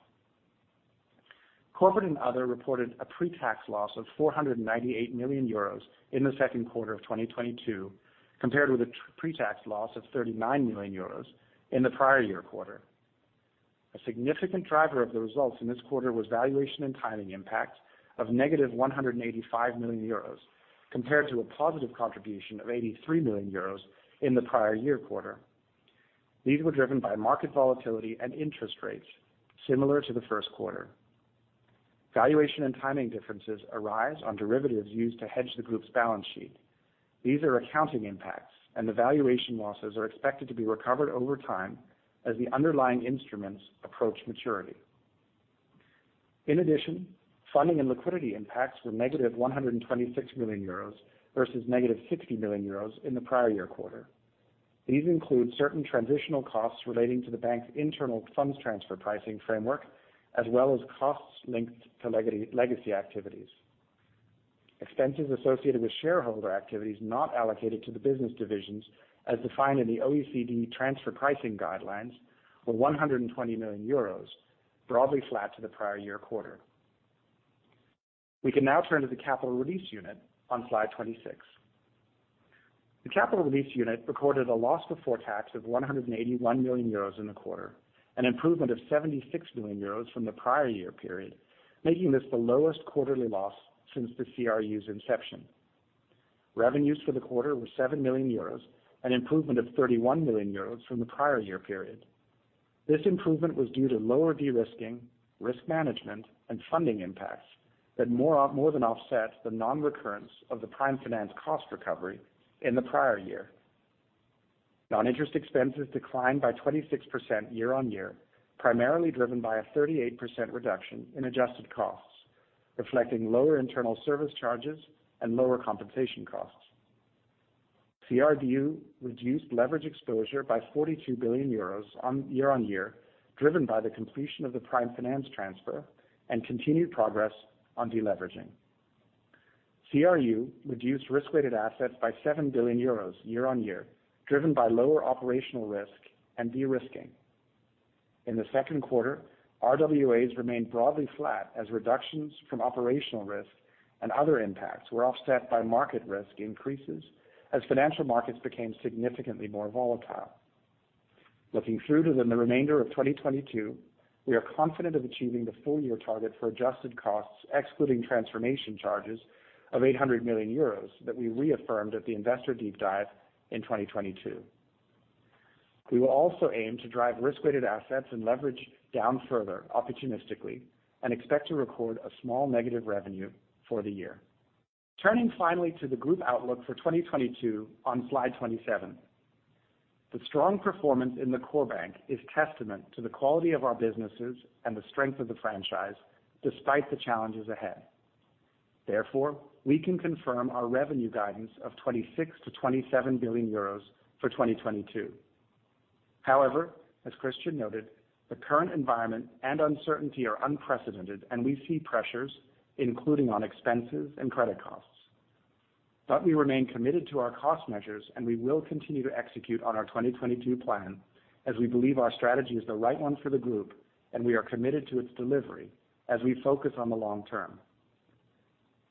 Corporate and Other reported a pre-tax loss of 498 million euros in the Q2 of 2022, compared with a pre-tax loss of 39 million euros in the prior year quarter. A significant driver of the results in this quarter was valuation and timing impact of -185 million euros compared to a positive contribution of 83 million euros in the prior year quarter. These were driven by market volatility and interest rates similar to the Q1. Valuation and timing differences arise on derivatives used to hedge the group's balance sheet. These are accounting impacts, and the valuation losses are expected to be recovered over time as the underlying instruments approach maturity. In addition, funding and liquidity impacts were - 126 million euros versus -60 million euros in the prior year quarter. These include certain transitional costs relating to the bank's internal funds transfer pricing framework, as well as costs linked to legacy activities. Expenses associated with shareholder activities not allocated to the business divisions as defined in the OECD transfer pricing guidelines were 120 million euros, broadly flat to the prior year quarter. We can now turn to the Capital Release Unit on slide 26. The Capital Release Unit recorded a loss before tax of 181 million euros in the quarter, an improvement of 76 million euros from the prior year period, making this the lowest quarterly loss since the CRU's inception. Revenues for the quarter were 7 million euros, an improvement of 31 million euros from the prior year period. This improvement was due to lower de-risking, risk management, and funding impacts that more than offset the non-recurrence of the Prime Finance cost recovery in the prior year. Non-interest expenses declined by 26% year on year, primarily driven by a 38% reduction in adjusted costs, reflecting lower internal service charges and lower compensation costs. CRU reduced leverage exposure by 42 billion euros year on year, driven by the completion of the Prime Finance transfer and continued progress on de-leveraging. CRU reduced risk-weighted assets by 7 billion euros year on year, driven by lower operational risk and de-risking. In the Q2, RWAs remained broadly flat as reductions from operational risk and other impacts were offset by market risk increases as financial markets became significantly more volatile. Looking through to the remainder of 2022, we are confident of achieving the full year target for adjusted costs, excluding transformation charges of 800 million euros that we reaffirmed at the Investor Deep Dive in 2022. We will also aim to drive risk-weighted assets and leverage down further opportunistically and expect to record a small negative revenue for the year. Turning finally to the group outlook for 2022 on slide 27. The strong performance in the core bank is testament to the quality of our businesses and the strength of the franchise despite the challenges ahead. Therefore, we can confirm our revenue guidance of 26 billion-27 billion euros for 2022. However, as Christian noted, the current environment and uncertainty are unprecedented, and we see pressures, including on expenses and credit costs. We remain committed to our cost measures, and we will continue to execute on our 2022 plan as we believe our strategy is the right one for the group, and we are committed to its delivery as we focus on the long term.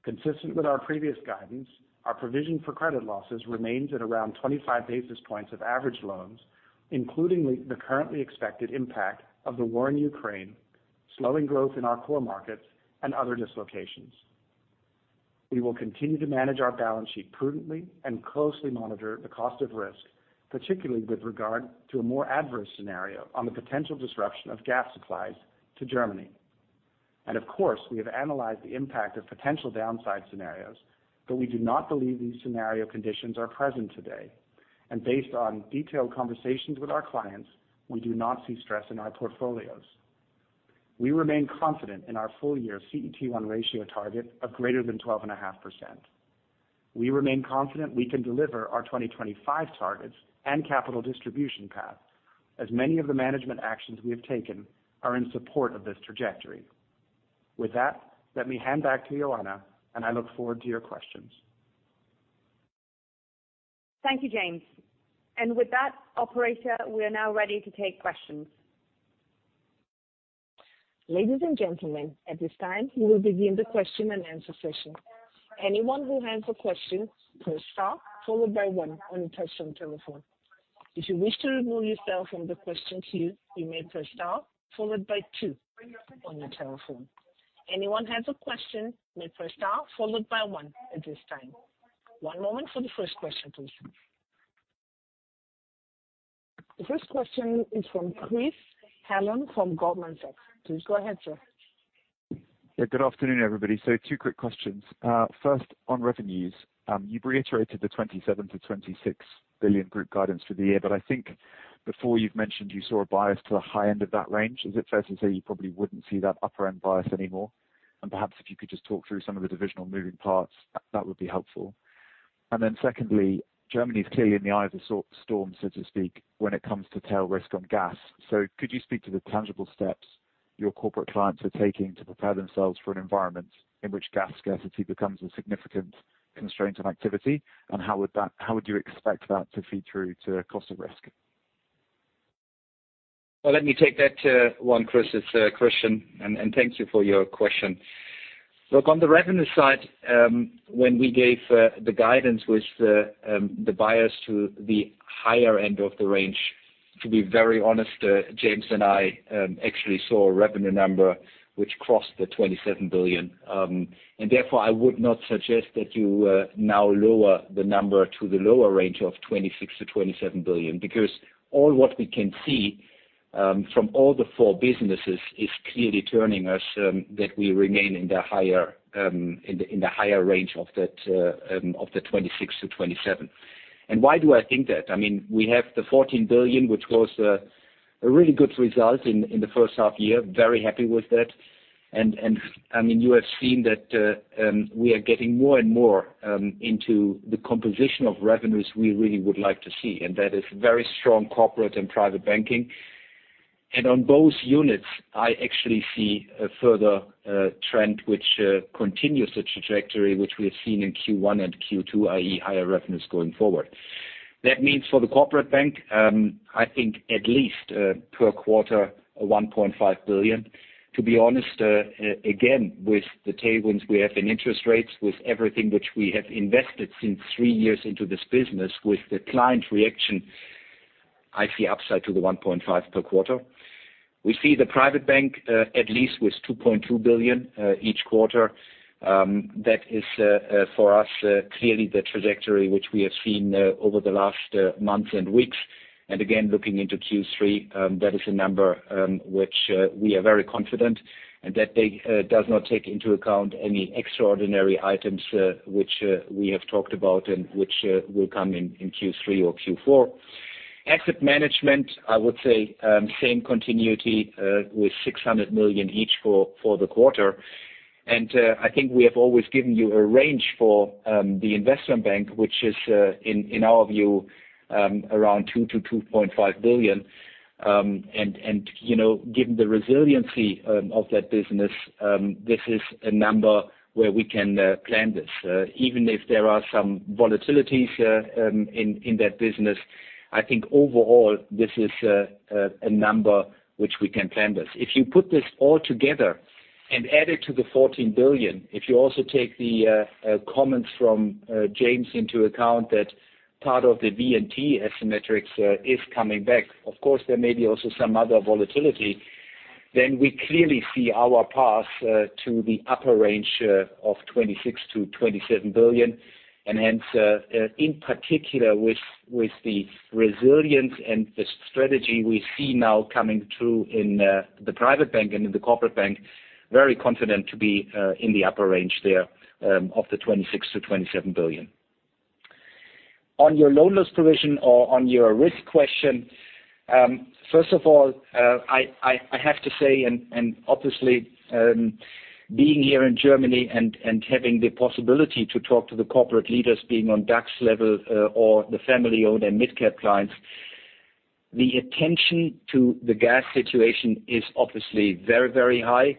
Consistent with our previous guidance, our provision for credit losses remains at around 25 basis points of average loans, including the currently expected impact of the war in Ukraine, slowing growth in our core markets and other dislocations. We will continue to manage our balance sheet prudently and closely monitor the cost of risk, particularly with regard to a more adverse scenario on the potential disruption of gas supplies to Germany. Of course, we have analyzed the impact of potential downside scenarios, but we do not believe these scenario conditions are present today. Based on detailed conversations with our clients, we do not see stress in our portfolios. We remain confident in our full year CET1 ratio target of greater than 12.5%. We remain confident we can deliver our 2025 targets and capital distribution path, as many of the management actions we have taken are in support of this trajectory. With that, let me hand back to Ioana, and I look forward to your questions. Thank you, James. With that, operator, we are now ready to take questions. Ladies and gentlemen, at this time, we will begin the question and answer session. Anyone who has a question, press star followed by one on your touch tone telephone. If you wish to remove yourself from the question queue, you may press star followed by two on your telephone. Anyone has a question may press star followed by one at this time. One moment for the first question, please. The first question is from Chris Hallam from Goldman Sachs. Please go ahead, sir. Yeah, good afternoon, everybody. 2 quick questions. First, on revenues, you've reiterated the 27 billion-26 billion group guidance for the year, but I think before you've mentioned you saw a bias to the high end of that range. Is it fair to say you probably wouldn't see that upper end bias anymore? Perhaps if you could just talk through some of the divisional moving parts, that would be helpful. Secondly, Germany is clearly in the eye of the storm, so to speak, when it comes to tail risk on gas. Could you speak to the tangible steps your corporate clients are taking to prepare themselves for an environment in which gas scarcity becomes a significant constraint on activity, and how would you expect that to feed through to cost of risk? Well, let me take that one, Chris's question, and thank you for your question. Look on the revenue side, when we gave the guidance with the bias to the higher end of the range, to be very honest, James and I actually saw a revenue number which crossed 27 billion. Therefore, I would not suggest that you now lower the number to the lower range of 26 billion-27 billion because all what we can see from all the 4 businesses is clearly telling us that we remain in the higher in the higher range of that of the 26 billion-27 billion. Why do I think that? I mean, we have 14 billion, which was a really good result in the H1 year. Very happy with that. I mean, you have seen that we are getting more and more into the composition of revenues we really would like to see, and that is very strong Corporate and Private Bank. On both units, I actually see a further trend which continues the trajectory which we have seen in Q1 and Q2, i.e., higher revenues going forward. That means for the Corporate Bank, I think at least per quarter, 1.5 billion. To be honest, again, with the tailwinds we have in interest rates, with everything which we have invested since 3 years into this business, with the client reaction, I see upside to the 1.5 billion per quarter. We see the Private Bank at least with 2.2 billion each quarter. That is, for us, clearly the trajectory which we have seen, over the last, months and weeks. Again, looking into Q3, that is a number, which, we are very confident and that they, does not take into account any extraordinary items, which, we have talked about and which, will come in Q3 or Q4. Asset management, I would say, same continuity, with 600 million each for the quarter. I think we have always given you a range for, the investment bank, which is, in our view, around 2 billion-2.5 billion. You know, given the resiliency, of that business, this is a number where we can, plan this. Even if there are some volatilities in that business, I think overall this is a number which we can plan this. If you put this all together and add it to 14 billion, if you also take the comments from James von Moltke into account that part of the V&T asymmetries is coming back, of course, there may be also some other volatility, then we clearly see our path to the upper range of 26 billion-27 billion. Hence, in particular with the resilience and the strategy we see now coming through in the Private Bank and in the Corporate Bank, very confident to be in the upper range there of 26 billion-27 billion. On your loan loss provision or on your risk question, first of all, I have to say, and obviously, being here in Germany and having the possibility to talk to the corporate leaders being on DAX level, or the family-owned and midcap clients, the attention to the gas situation is obviously very, very high.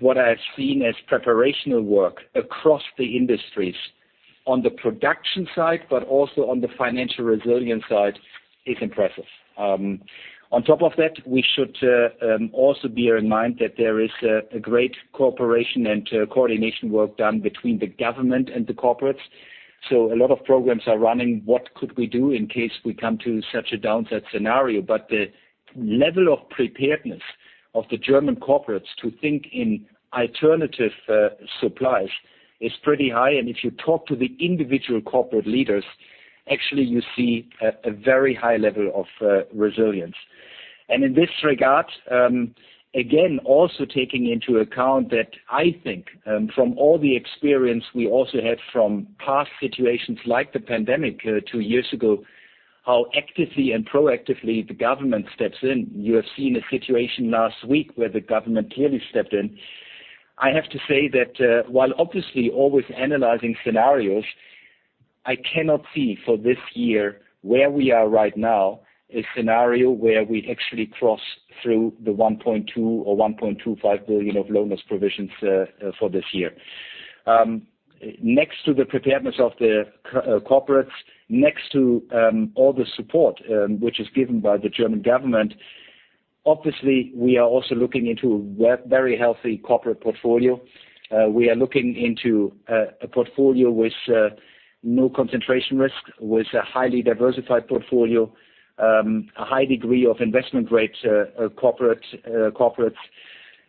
What I have seen as preparational work across the industries on the production side, but also on the financial resilience side, is impressive. On top of that, we should also bear in mind that there is a great cooperation and coordination work done between the government and the corporates. A lot of programs are running, what could we do in case we come to such a downside scenario? The level of preparedness of the German corporates to think in alternative supplies is pretty high. If you talk to the individual corporate leaders, actually you see a very high level of resilience. In this regard, again, also taking into account that I think, from all the experience we also had from past situations like the pandemic 2 years ago, how actively and proactively the government steps in. You have seen a situation last week where the government clearly stepped in. I have to say that, while obviously always analyzing scenarios, I cannot see for this year where we are right now a scenario where we actually cross through the 1.2 billion or 1.25 billion of loan loss provisions for this year. Next to the preparedness of the corporates, next to all the support which is given by the German government, obviously we are also looking into a very healthy corporate portfolio. We are looking into a portfolio with no concentration risk, with a highly diversified portfolio, a high degree of investment grade corporates.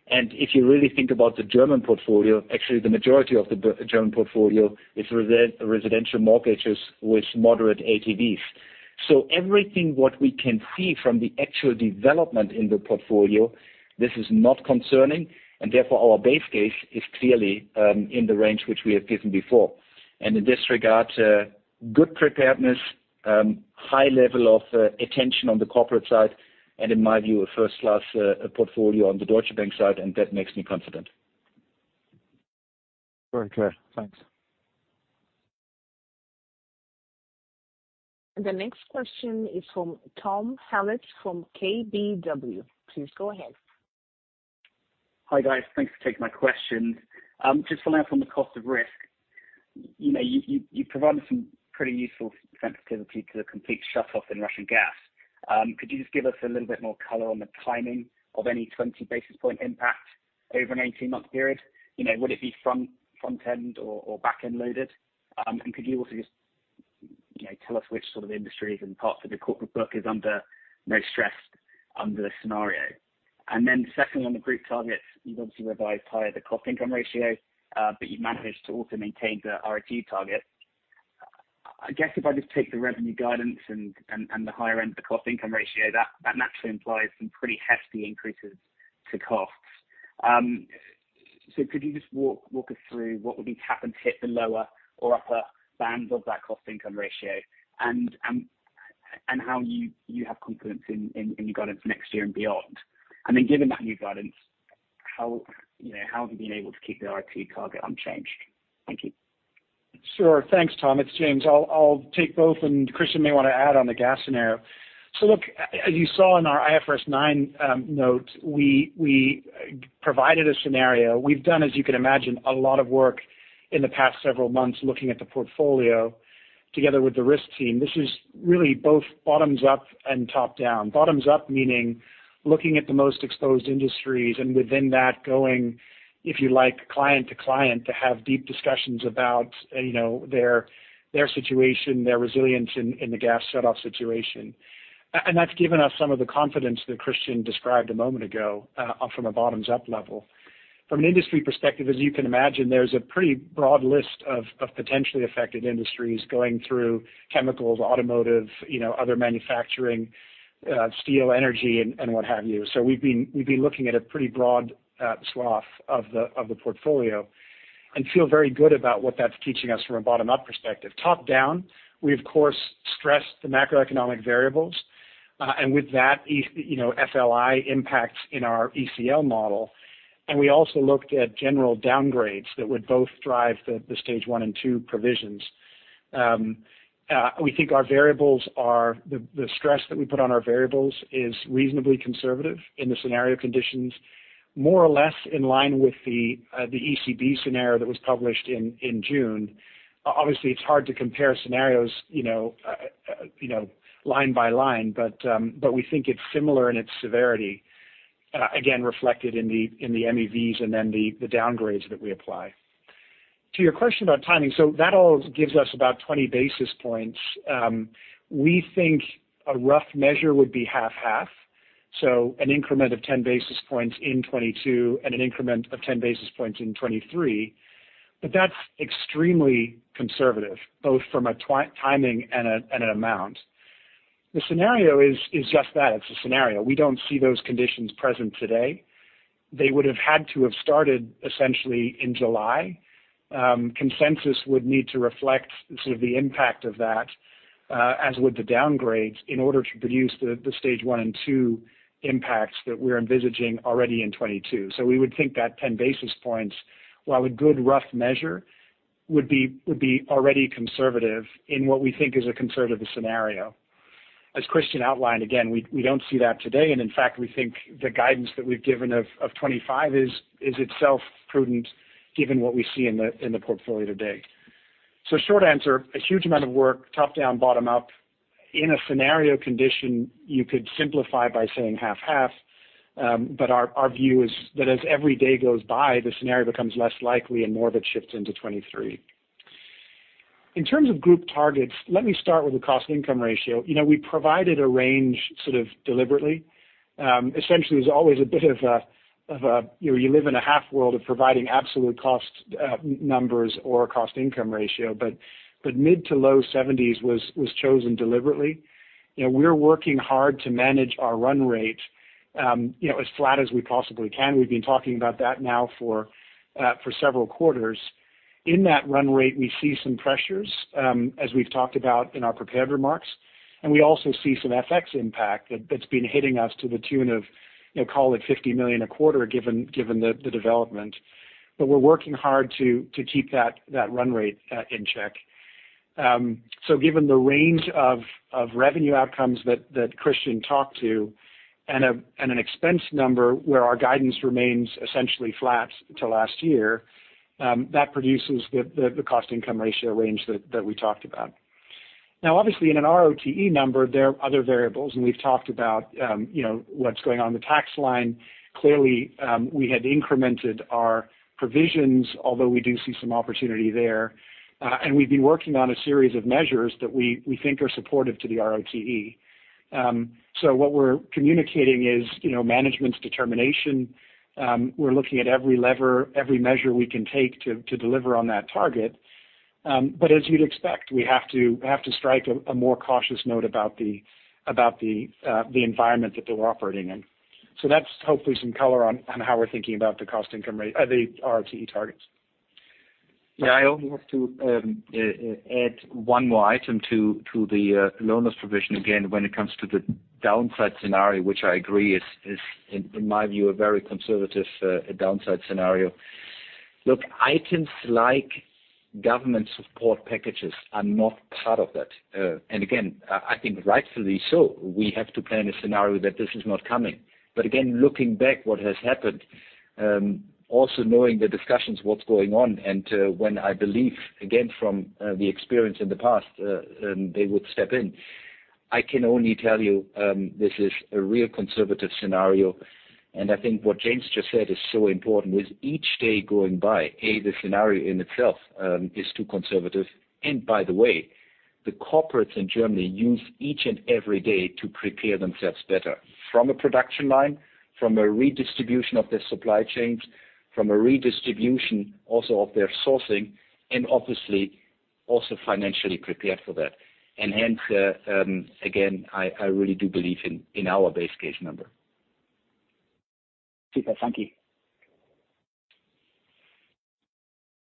If you really think about the German portfolio, actually the majority of the German portfolio is residential mortgages with moderate LTVs. Everything what we can see from the actual development in the portfolio, this is not concerning, and therefore our base case is clearly in the range which we have given before. In this regard, good preparedness, high level of attention on the corporate side, and in my view, a first-class portfolio on the Deutsche Bank side, and that makes me confident. Very clear. Thanks. The next question is from Thomas Hallett from KBW. Please go ahead. Hi, guys. Thanks for taking my questions. Just following up from the cost of risk. You know, you provided some pretty useful sensitivity to the complete shutoff in Russian gas. Could you just give us a little bit more color on the timing of any 20 basis points impact over an 18-month period? You know, would it be front-end or back-end loaded? And could you also just, you know, tell us which sort of industries and parts of the corporate book is under most stress under the scenario? Then second on the group targets, you've obviously revised higher the cost income ratio, but you managed to also maintain the RoTE target. I guess if I just take the revenue guidance and the higher end of the cost income ratio, that naturally implies some pretty hefty increases to costs. So could you just walk us through what would be tap and hit the lower or upper bands of that cost income ratio and how you have confidence in your guidance next year and beyond? Given that new guidance, you know, how have you been able to keep the RoTE target unchanged? Thank you. Sure. Thanks, Tom. It's James. I'll take both, and Christian may wanna add on the gas scenario. Look, as you saw in our IFRS 9 note, we provided a scenario. We've done, as you can imagine, a lot of work in the past several months looking at the portfolio together with the risk team. This is really both bottoms up and top down. Bottoms up meaning looking at the most exposed industries, and within that going, if you like, client to client to have deep discussions about, you know, their situation, their resilience in the gas set off situation. That's given us some of the confidence that Christian described a moment ago, from a bottoms up level. From an industry perspective, as you can imagine, there's a pretty broad list of potentially affected industries going through chemicals, automotive, you know, other manufacturing, steel, energy, and what have you. We've been looking at a pretty broad swath of the portfolio and feel very good about what that's teaching us from a bottom up perspective. Top down, we of course stressed the macroeconomic variables, and with that you know, FLI impacts in our ECL model. We also looked at general downgrades that would both drive the stage 1 and 2 provisions. We think the stress that we put on our variables is reasonably conservative in the scenario conditions, more or less in line with the ECB scenario that was published in June. Obviously, it's hard to compare scenarios, you know, line by line, but we think it's similar in its severity, again, reflected in the MEVs and then the downgrades that we apply. To your question about timing, that all gives us about 20 basis points. We think a rough measure would be half, so an increment of 10 basis points in 2022 and an increment of 10 basis points in 2023, but that's extremely conservative, both from a timing and an amount. The scenario is just that, it's a scenario. We don't see those conditions present today. They would have had to have started essentially in July. Consensus would need to reflect sort of the impact of that, as would the downgrades in order to produce the stage 1 and 2 impacts that we're envisaging already in 2022. We would think that 10 basis points, while a good rough measure, would be already conservative in what we think is a conservative scenario. As Christian outlined, again, we don't see that today, and in fact, we think the guidance that we've given of 25 is itself prudent given what we see in the portfolio today. Short answer, a huge amount of work, top down, bottom up. In a scenario condition, you could simplify by saying 50/50, but our view is that as every day goes by, the scenario becomes less likely and more of it shifts into 2023. In terms of group targets, let me start with the cost income ratio. You know, we provided a range sort of deliberately. Essentially there's always a bit of a, you know, you live in a half world of providing absolute cost numbers or cost income ratio. Mid- to low-70s% was chosen deliberately. You know, we're working hard to manage our run rate, you know, as flat as we possibly can. We've been talking about that now for several quarters. In that run rate, we see some pressures, as we've talked about in our prepared remarks, and we also see some FX impact that's been hitting us to the tune of, you know, call it 50 million a quarter given the development. We're working hard to keep that run rate in check. Given the range of revenue outcomes that Christian talked to and an expense number where our guidance remains essentially flat to last year, that produces the cost income ratio range that we talked about. Now obviously in an ROTE number, there are other variables, and we've talked about, you know, what's going on in the tax line. Clearly, we had incremented our provisions, although we do see some opportunity there. We've been working on a series of measures that we think are supportive to the ROTE. What we're communicating is, you know, management's determination. We're looking at every lever, every measure we can take to deliver on that target. As you'd expect, we have to strike a more cautious note about the environment that we're operating in. That's hopefully some color on how we're thinking about the ROTE targets. Yeah, I only have to add 1 more item to the loan loss provision again when it comes to the downside scenario, which I agree is in my view a very conservative downside scenario. Look, items like government support packages are not part of that. Again, I think rightfully so. We have to plan a scenario that this is not coming. Again, looking back what has happened, also knowing the discussions, what's going on, and when I believe, again, from the experience in the past, they would step in. I can only tell you, this is a real conservative scenario, and I think what James just said is so important. With each day going by, the scenario in itself is too conservative. By the way, the corporates in Germany use each and every day to prepare themselves better from a production line, from a redistribution of their supply chains, from a redistribution also of their sourcing, and obviously also financially prepared for that. Hence, again, I really do believe in our base case number. Super. Thank you.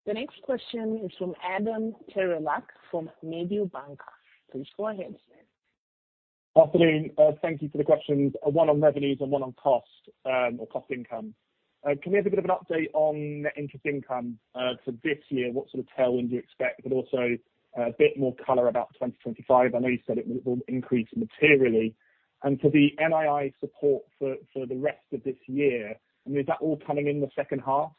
The next question is from Adam Terelak from Mediobanca. Please go ahead, sir. Afternoon. Thank you for the questions, 1 on revenues and 1 on costs, or cost income. Can we have a bit of an update on net interest income, for this year? What sort of tailwind do you expect, but also a bit more color about 2025? I know you said it will increase materially. For the NII support for the rest of this year, I mean, is that all coming in the H2?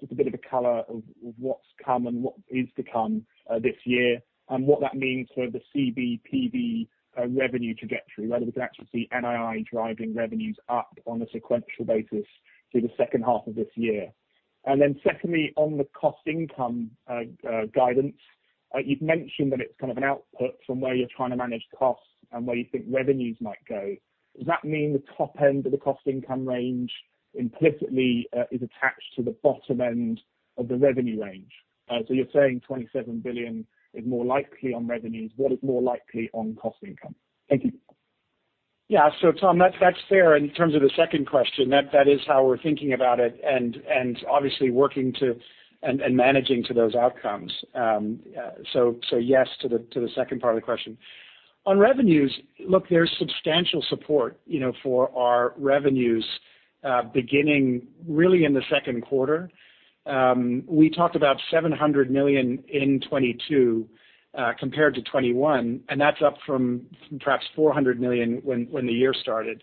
Just a bit of a color of what's come and what is to come, this year and what that means for the CBPB revenue trajectory, whether we can actually see NII driving revenues up on a sequential basis through the H2 of this year. Secondly, on the cost income guidance, you've mentioned that it's kind of an output from where you're trying to manage costs and where you think revenues might go. Does that mean the top end of the cost income range implicitly is attached to the bottom end of the revenue range? You're saying 27 billion is more likely on revenues. What is more likely on cost income? Thank you. Yeah. Tom, that's fair in terms of the second question. That is how we're thinking about it and obviously working to and managing to those outcomes. Yes to the second part of the question. On revenues, look, there's substantial support, you know, for our revenues, beginning really in the Q2. We talked about 700 million in 2022, compared to 2021, and that's up from perhaps 400 million when the year started.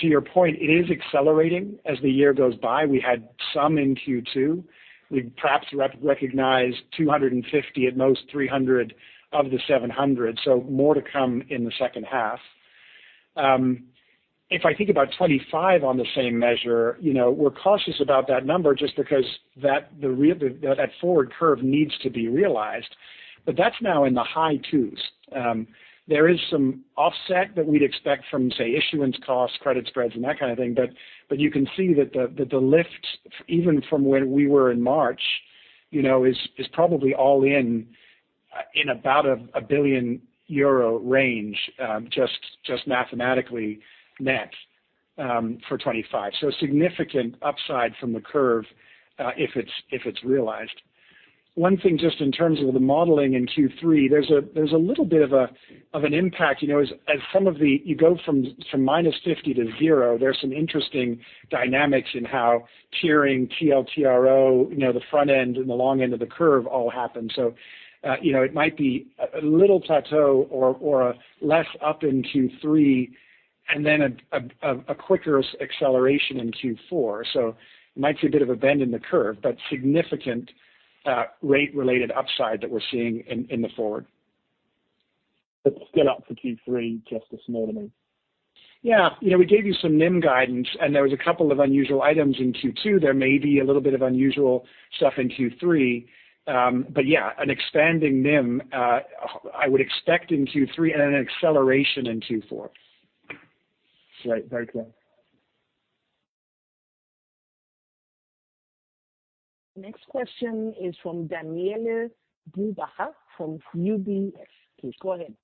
To your point, it is accelerating as the year goes by. We had some in Q2. We perhaps recognized 250, at most 300 of the 700, so more to come in the H2. If I think about 25 on the same measure, you know, we're cautious about that number just because that the forward curve needs to be realized, but that's now in the high 2's. There is some offset that we'd expect from, say, issuance costs, credit spreads and that kind of thing, but you can see that the lift even from where we were in March, you know, is probably all in about a 1 billion euro range, just mathematically net, for 25. Significant upside from the curve, if it's realized. 1 thing just in terms of the modeling in Q3, there's a little bit of an impact, you know, as you go from -50 to 0, there's some interesting dynamics in how tiering TLTRO, you know, the front end and the long end of the curve all happen. You know, it might be a little plateau or a less up in Q3 and then a quicker acceleration in Q4. Might see a bit of a bend in the curve, but significant rate-related upside that we're seeing in the forward. Still up for Q3 just a small amount. Yeah. You know, we gave you some NIM guidance, and there was a couple of unusual items in Q2. There may be a little bit of unusual stuff in Q3. Yeah, an expanding NIM, I would expect in Q3 and an acceleration in Q4. Great. Very clear. Next question is from Daniele Brupbacher from UBS. Please go ahead.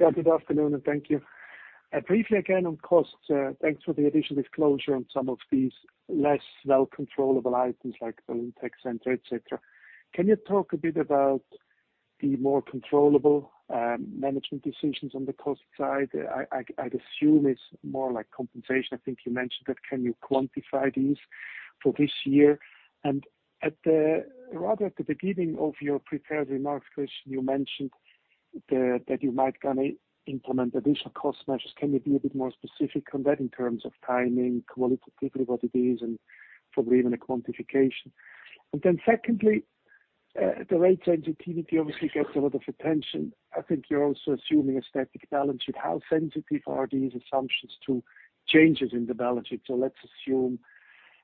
Yeah, good afternoon and thank you. Briefly again on costs, thanks for the additional disclosure on some of these less well controllable items like the tech center, et cetera. Can you talk a bit about the more controllable management decisions on the cost side? I'd assume it's more like compensation. I think you mentioned that. Can you quantify these for this year? Rather at the beginning of your prepared remarks, Christian, you mentioned that you might gonna implement additional cost measures. Can you be a bit more specific on that in terms of timing, qualitatively what it is and probably even a quantification? Secondly, the rates sensitivity obviously gets a lot of attention. I think you're also assuming a static balance sheet. How sensitive are these assumptions to changes in the balance sheet? Let's assume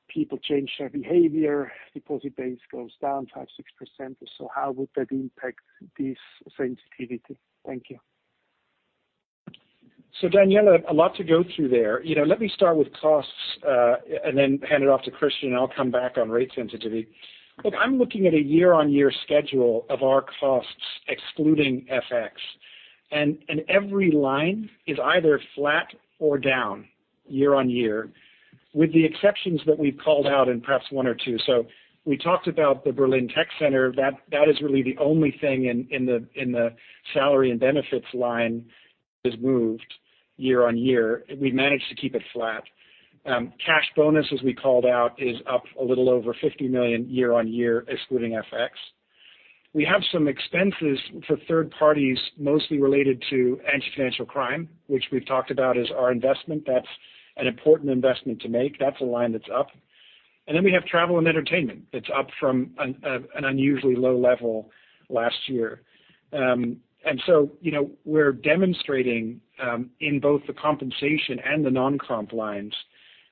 people change their behavior, deposit base goes down 5% to 6% or so. How would that impact this sensitivity? Thank you. Daniele, a lot to go through there. You know, let me start with costs, and then hand it off to Christian, and I'll come back on rate sensitivity. Look, I'm looking at a year-on-year schedule of our costs excluding FX, and every line is either flat or down year-on-year, with the exceptions that we've called out in perhaps 1 or 2. We talked about the Berlin Tech Center. That is really the only thing in the salary and benefits line that has moved. Year-on-year, we've managed to keep it flat. Cash bonus, as we called out, is up a little over 50 million year-on-year, excluding FX. We have some expenses for third parties, mostly related to anti-financial crime, which we've talked about as our investment. That's an important investment to make. That's a line that's up. We have travel and entertainment that's up from an unusually low level last year. You know, we're demonstrating in both the compensation and the non-comp lines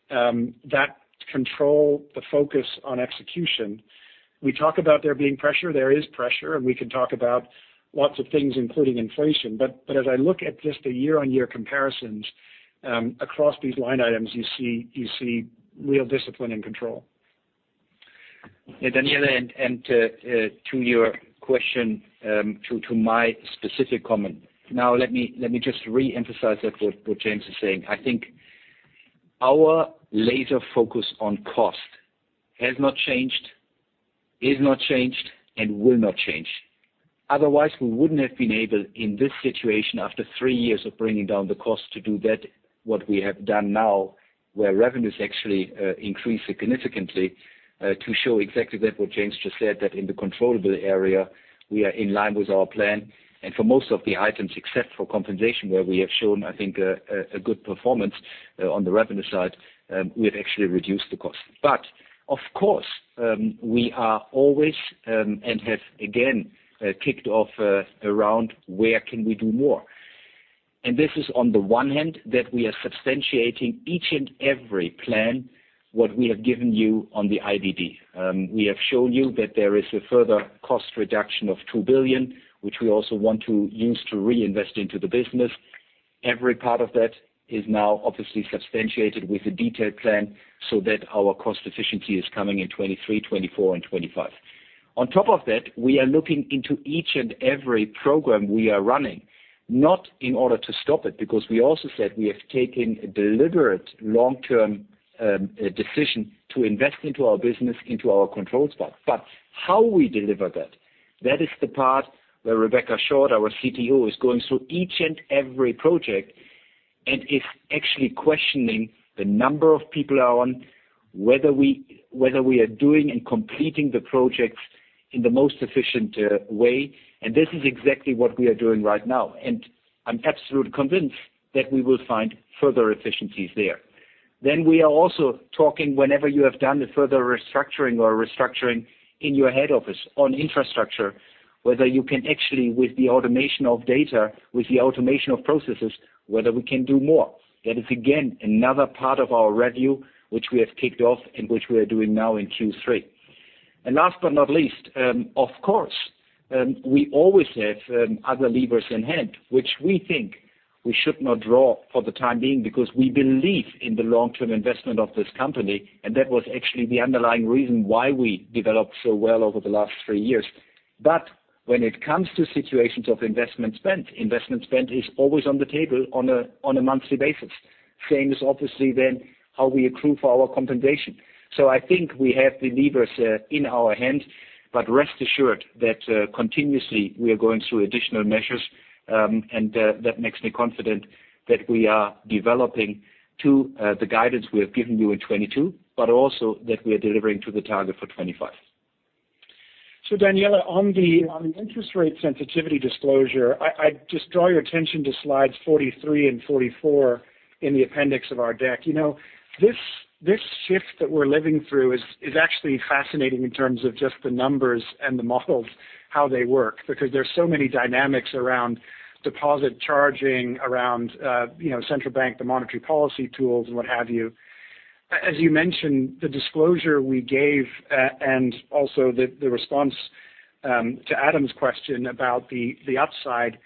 that control, the focus on execution. We talk about there being pressure, there is pressure, and we can talk about lots of things, including inflation. As I look at just the year-on-year comparisons across these line items, you see real discipline and control. Yeah, Daniele, and to your question, to my specific comment. Now let me just reemphasize that what James is saying. I think our laser focus on cost has not changed, is not changed, and will not change. Otherwise, we wouldn't have been able, in this situation, after 3 years of bringing down the cost to do that, what we have done now, where revenues actually increased significantly, to show exactly that what James just said, that in the controllable area, we are in line with our plan. For most of the items, except for compensation, where we have shown, I think, a good performance on the revenue side, we have actually reduced the cost. Of course, we are always and have again kicked off around where we can do more. This is on the one hand that we are substantiating each and every plan that we have given you on the IDD. We have shown you that there is a further cost reduction of 2 billion, which we also want to use to reinvest into the business. Every part of that is now obviously substantiated with a detailed plan so that our cost efficiency is coming in 2023, 2024 and 2025. On top of that, we are looking into each and every program we are running, not in order to stop it, because we also said we have taken a deliberate long-term decision to invest into our business, into our control spot. How we deliver that is the part where Rebecca Short, our COO, is going through each and every project and is actually questioning the number of people are on, whether we are doing and completing the projects in the most efficient way. This is exactly what we are doing right now. I'm absolutely convinced that we will find further efficiencies there. We are also talking whenever you have done the further restructuring in your head office on infrastructure, whether you can actually with the automation of data, with the automation of processes, whether we can do more. That is again another part of our review, which we have kicked off and which we are doing now in Q3. Last but not least, of course, we always have other levers in hand, which we think we should not draw for the time being because we believe in the long-term investment of this company, and that was actually the underlying reason why we developed so well over the last 3 years. When it comes to situations of investment spend, investment spend is always on the table on a monthly basis. Same is obviously then how we accrue for our compensation. I think we have the levers in our hand, but rest assured that continuously we are going through additional measures, and that makes me confident that we are developing to the guidance we have given you in 2022, but also that we are delivering to the target for 2025. Daniele, on the interest rate sensitivity disclosure, I just draw your attention to slides 43 and 44 in the appendix of our deck. You know, this shift that we're living through is actually fascinating in terms of just the numbers and the models, how they work, because there's so many dynamics around deposit charging, around you know, central bank, the monetary policy tools and what have you. As you mentioned, the disclosure we gave and also the response to Adam's question about the upside,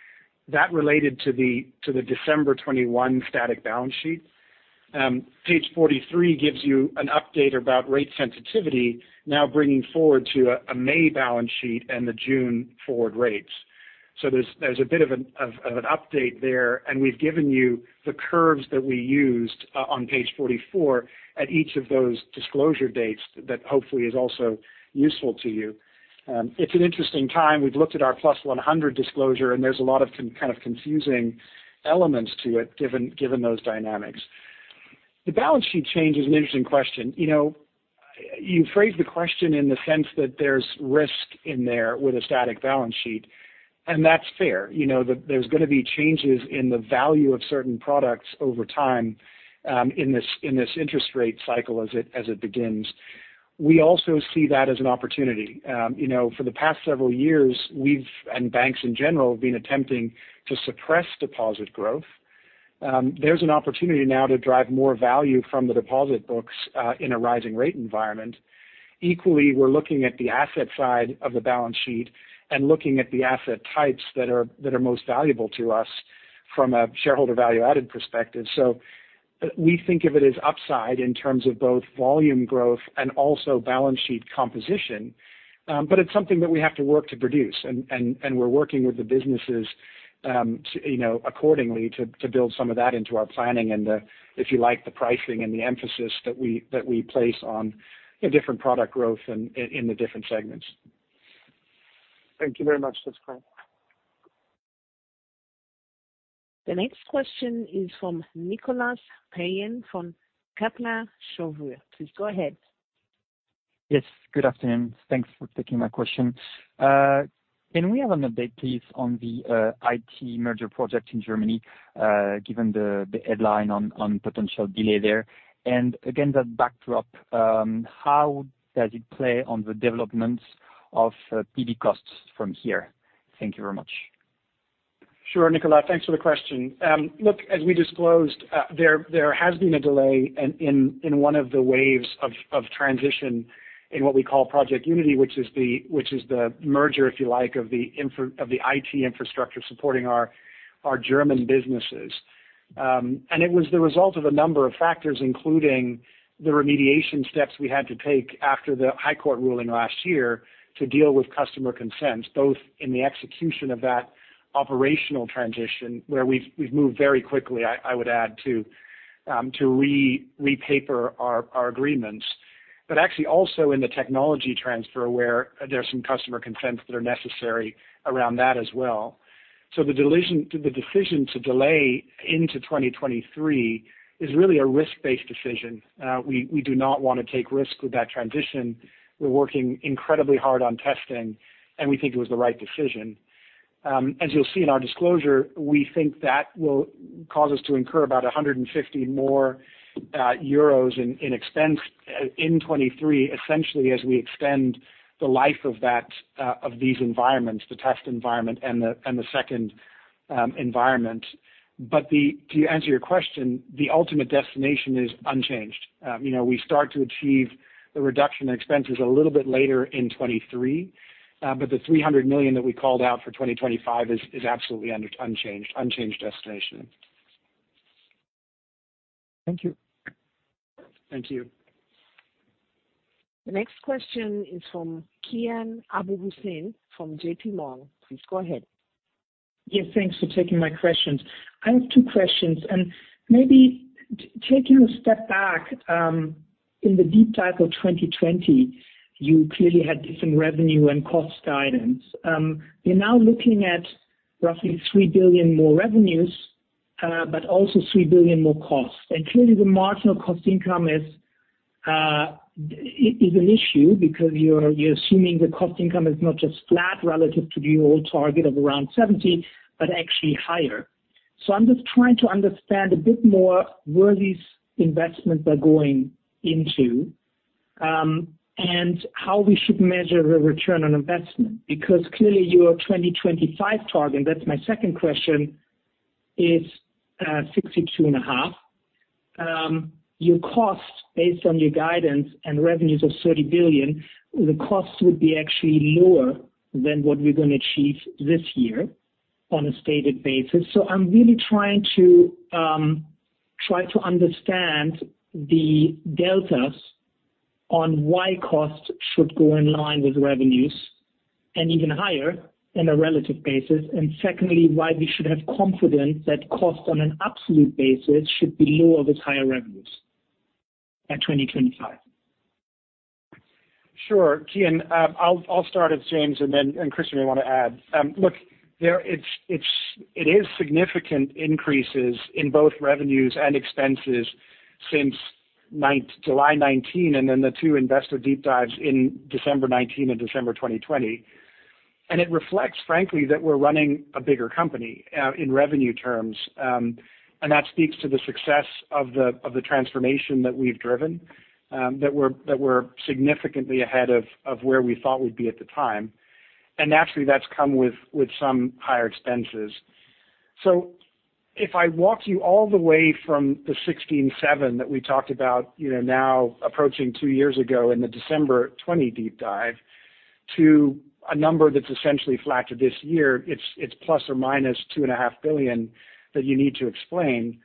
that related to the December 2021 static balance sheet. Page 43 gives you an update about rate sensitivity, now bringing forward to a May balance sheet and the June forward rates. There's a bit of an update there, and we've given you the curves that we used on page 44 at each of those disclosure dates that hopefully is also useful to you. It's an interesting time. We've looked at our +100 disclosure, and there's a lot of kind of confusing elements to it given those dynamics. The balance sheet change is an interesting question. You know, you phrased the question in the sense that there's risk in there with a static balance sheet, and that's fair. You know, there's gonna be changes in the value of certain products over time in this interest rate cycle as it begins. We also see that as an opportunity. You know, for the past several years, we've, and banks in general, have been attempting to suppress deposit growth. There's an opportunity now to drive more value from the deposit books in a rising rate environment. Equally, we're looking at the asset side of the balance sheet and looking at the asset types that are most valuable to us from a shareholder value-added perspective. We think of it as upside in terms of both volume growth and also balance sheet composition. It's something that we have to work to produce and we're working with the businesses, you know, accordingly to build some of that into our planning and, if you like, the pricing and the emphasis that we place on, you know, different product growth in the different segments. Thank you very much. That's great. The next question is from Nicolas Payen from Kepler Cheuvreux. Please go ahead. Yes, good afternoon. Thanks for taking my question. Can we have an update, please, on the Project Unity, given the headline on potential delay there? Again, that backdrop, how does it play on the developments of PD costs from here? Thank you very much. Sure, Nicolas, thanks for the question. Look, as we disclosed, there has been a delay in one of the waves of transition in what we call Project Unity, which is the merger, if you like, of the IT infrastructure supporting our German businesses. It was the result of a number of factors, including the remediation steps we had to take after the High Court ruling last year to deal with customer consents, both in the execution of that operational transition, where we've moved very quickly, I would add too, to repaper our agreements. Actually, also in the technology transfer where there are some customer consents that are necessary around that as well. The decision to delay into 2023 is really a risk-based decision. We do not want to take risks with that transition. We're working incredibly hard on testing, and we think it was the right decision. As you'll see in our disclosure, we think that will cause us to incur about 150 million euros more in expense in 2023, essentially as we extend the life of that of these environments, the test environment and the second environment. To answer your question, the ultimate destination is unchanged. We start to achieve the reduction in expenses a little bit later in 2023, but the 300 million that we called out for 2025 is absolutely unchanged destination. Thank you. Thank you. The next question is from Kian Abouhossein from JP Morgan. Please go ahead. Yeah, thanks for taking my questions. I have 2 questions. Maybe taking a step back, in the deep dive of 2020, you clearly had different revenue and cost guidance. You're now looking at roughly 3 billion more revenues, but also 3 billion more costs. Clearly the marginal cost income is an issue because you're assuming the cost income is not just flat relative to the old target of around 70%, but actually higher. I'm just trying to understand a bit more where these investments are going into, and how we should measure the return on investment. Because clearly your 2025 target, that's my second question, is 62.5%. Your costs based on your guidance and revenues of 30 billion, the costs would be actually lower than what we're gonna achieve this year on a stated basis. I'm really trying to understand the deltas on why costs should go in line with revenues and even higher in a relative basis. Secondly, why we should have confidence that costs on an absolute basis should be lower with higher revenues at 2025. Sure, Kian. I'll start it, James, and then Christian may wanna add. Look, there it is significant increases in both revenues and expenses since July 2019, and then the 2 investor deep dives in December 2019 and December 2020. It reflects, frankly, that we're running a bigger company in revenue terms. That speaks to the success of the transformation that we've driven, that we're significantly ahead of where we thought we'd be at the time. Naturally, that's come with some higher expenses. If I walk you all the way from the 16.7 that we talked about, you know, now approaching 2 years ago in the December 2020 deep dive, to a number that's essentially flat to this year, it's + or - 2.5 billion that you need to explain.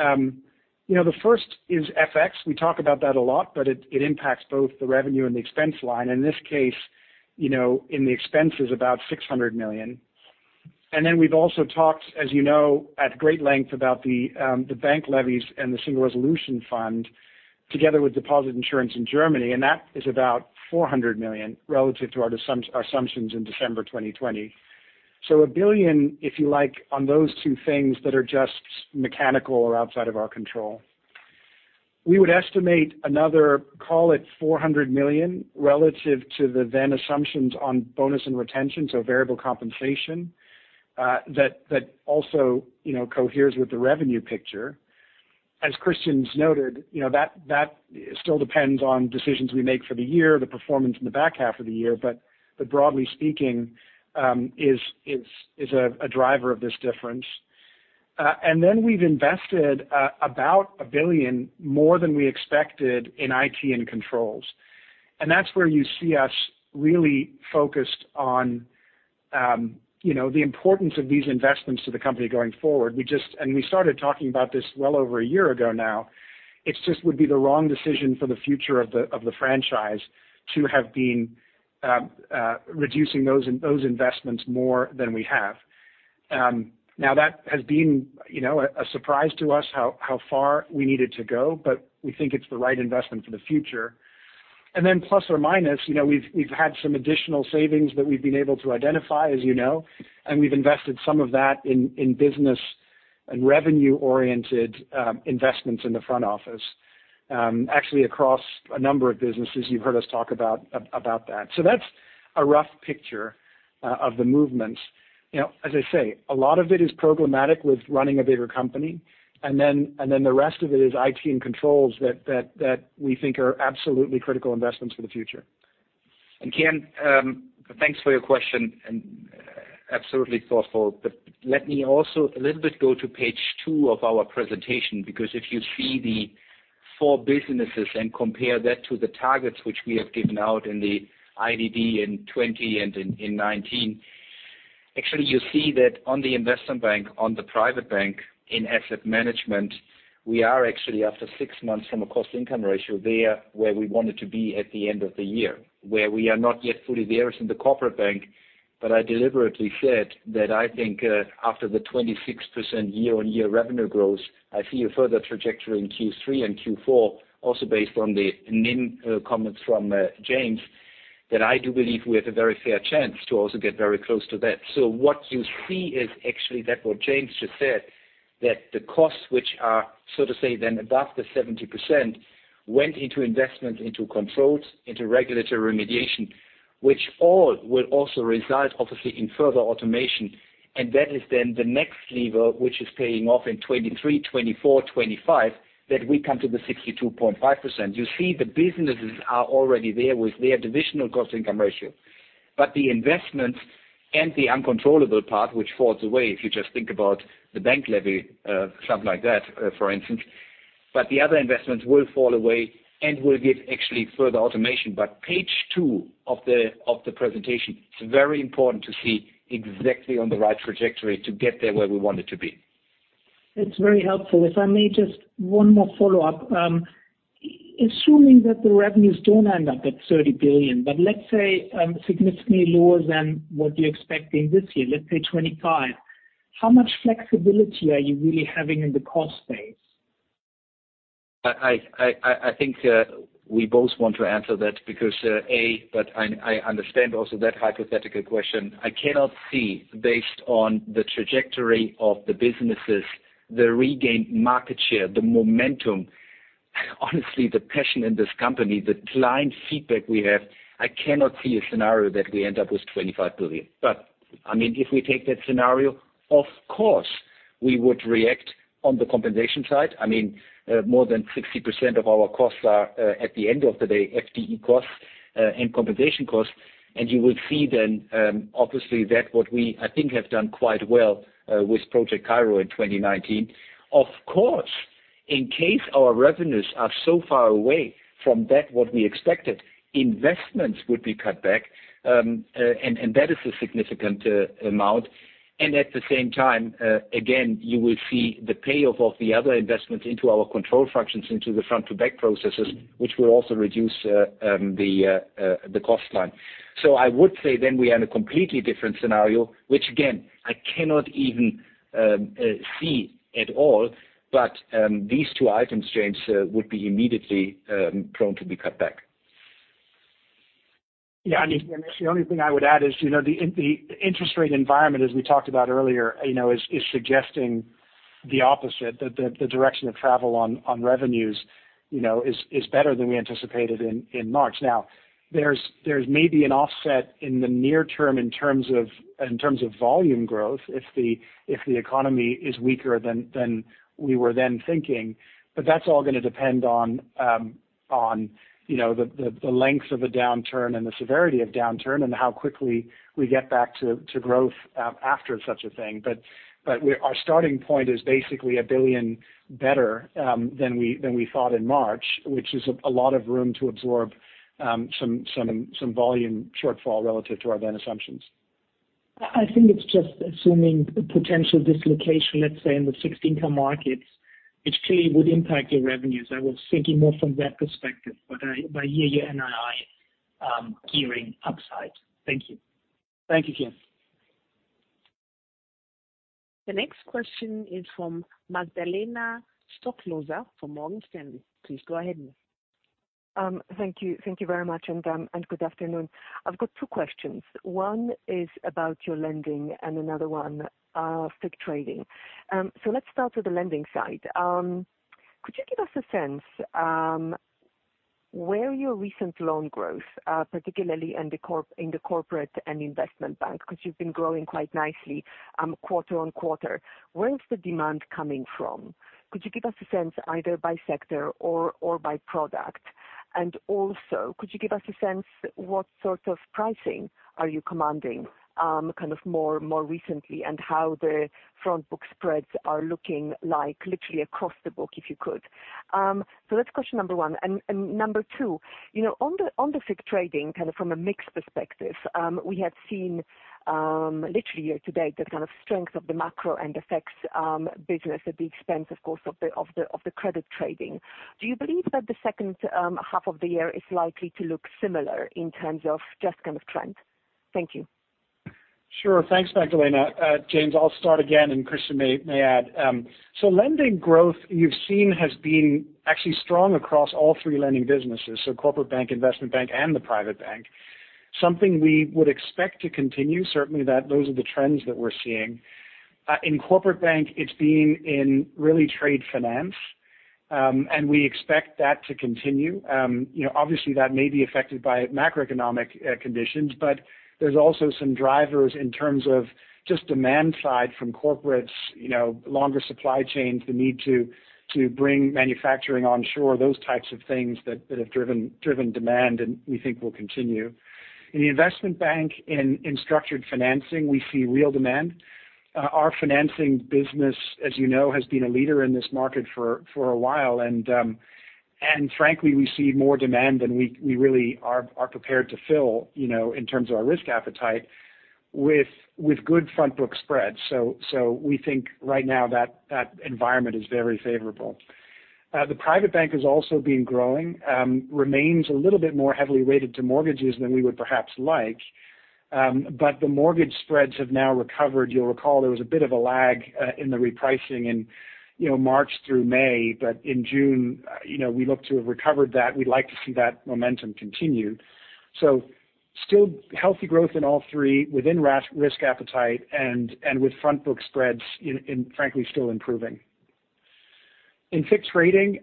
You know, the first is FX. We talk about that a lot, but it impacts both the revenue and the expense line. In this case, you know, in the expense is about 600 million. We've also talked, as you know, at great length about the bank levies and the Single Resolution Fund together with deposit insurance in Germany, and that is about 400 million relative to our assumptions in December 2020. 1 billion, if you like, on those 2 things that are just mechanical or outside of our control. We would estimate another, call it 400 million relative to the then assumptions on bonus and retention, so variable compensation, that also, you know, coheres with the revenue picture. As Christian's noted, you know, that still depends on decisions we make for the year, the performance in the back half of the year, but broadly speaking, is a driver of this difference. Then we've invested about 1 billion more than we expected in IT and controls. That's where you see us really focused on, you know, the importance of these investments to the company going forward. We started talking about this well over a year ago now. It just would be the wrong decision for the future of the franchise to have been reducing those investments more than we have. Now that has been, you know, a surprise to us how far we needed to go, but we think it's the right investment for the future. Then + or -, you know, we've had some additional savings that we've been able to identify, as you know, and we've invested some of that in business and revenue-oriented investments in the front office. Actually across a number of businesses you've heard us talk about that. That's a rough picture of the movements. You know, as I say, a lot of it is programmatic with running a bigger company. The rest of it is IT and controls that we think are absolutely critical investments for the future. Kian, thanks for your question, and absolutely thoughtful. Let me also a little bit go to page 2 of our presentation, because if you see the 4 businesses and compare that to the targets which we have given out in the IDD in 2020 and in 2019, actually you see that on the Investment Bank, on the Private Bank and asset management, we are actually after 6 months at a cost-income ratio there where we wanted to be at the end of the year. Where we are not yet fully there is in the Corporate Bank, but I deliberately said that I think, after the 26% year-on-year revenue growth, I see a further trajectory in Q3 and Q4, also based on the NIM comments from James, that I do believe we have a very fair chance to also get very close to that. What you see is actually that what James just said, that the costs which are, so to say, then above the 70% went into investment, into controls, into regulatory remediation, which all will also result obviously in further automation. That is then the next lever which is paying off in 2023, 2024, 2025, that we come to the 62.5%. You see the businesses are already there with their divisional cost income ratio. The investments and the uncontrollable part which falls away if you just think about the bank levy, something like that, for instance. The other investments will fall away and will give actually further automation. Page 2 of the presentation, it's very important to see exactly on the right trajectory to get there where we want it to be. That's very helpful. If I may just 1 more follow-up. Assuming that the revenues don't end up at 30 billion, but let's say, significantly lower than what you're expecting this year, let's say 25, how much flexibility are you really having in the cost base? I think we both want to answer that because but I understand also that hypothetical question. I cannot see based on the trajectory of the businesses, the regained market share, the momentum, honestly, the passion in this company, the client feedback we have, I cannot see a scenario that we end up with 25 billion. I mean, if we take that scenario, of course, we would react on the compensation side. I mean, more than 60% of our costs are, at the end of the day, FTE costs and compensation costs. You will see then obviously that what we, I think, have done quite well with Project Cairo in 2019. Of course, in case our revenues are so far away from what we expected, investments would be cut back, and that is a significant amount. At the same time, again, you will see the payoff of the other investments into our control functions, into the front to back processes, which will also reduce the cost line. I would say then we are in a completely different scenario, which again, I cannot even see at all. These 2 items, James von Moltke, would be immediately prone to be cut back. Yeah. The only thing I would add is, you know, the interest rate environment, as we talked about earlier, you know, is suggesting the opposite, that the direction of travel on revenues, you know, is better than we anticipated in March. Now, there's maybe an offset in the near term in terms of volume growth if the economy is weaker than we were then thinking. That's all gonna depend on, you know, the length of a downturn and the severity of downturn and how quickly we get back to growth after such a thing. Our starting point is basically 1 billion better than we thought in March, which is a lot of room to absorb some volume shortfall relative to our then assumptions. I think it's just assuming potential dislocation, let's say, in the fixed income markets, which clearly would impact your revenues. I was thinking more from that perspective. Yeah, your NII gearing upside. Thank you. Thank you, Kian Abouhossein. The next question is from Magdalena Stoklosa from Morgan Stanley. Please go ahead. Thank you. Thank you very much, and good afternoon. I've got 2 questions. 1 is about your lending and another one, FICC trading. Let's start with the lending side. Could you give us a sense where your recent loan growth, particularly in the corporate and investment bank, 'cause you've been growing quite nicely, quarter-on-quarter. Where is the demand coming from? Could you give us a sense either by sector or by product? And also, could you give us a sense what sort of pricing are you commanding, kind of more recently, and how the front book spreads are looking like literally across the book, if you could? So that's question number 1. Number 2, you know, on the FICC trading, kind of from a mix perspective, we have seen literally year to date the kind of strength of the macro and the FX business at the expense, of course, of the credit trading. Do you believe that the H2 of the year is likely to look similar in terms of just kind of trend? Thank you. Sure. Thanks, Magdalena. James, I'll start again, and Christian may add. Lending growth you've seen has been actually strong across all 3 lending businesses, so Corporate Bank, Investment Bank and the Private Bank. Something we would expect to continue. Certainly those are the trends that we're seeing. In Corporate Bank it's been really in trade finance, and we expect that to continue. You know, obviously that may be affected by macroeconomic conditions, but there's also some drivers in terms of just demand side from corporates, you know, longer supply chains, the need to bring manufacturing onshore, those types of things that have driven demand and we think will continue. In the Investment Bank in structured financing, we see real demand. Our financing business, as you know, has been a leader in this market for a while. Frankly, we see more demand than we really are prepared to fill, you know, in terms of our risk appetite with good front book spreads. We think right now that environment is very favorable. The Private Bank has also been growing, remains a little bit more heavily weighted to mortgages than we would perhaps like, but the mortgage spreads have now recovered. You'll recall there was a bit of a lag in the repricing, you know, March through May. In June, you know, we look to have recovered that. We'd like to see that momentum continue. Still healthy growth in all 3 within risk appetite and with front book spreads, and frankly, still improving. In FICC trading,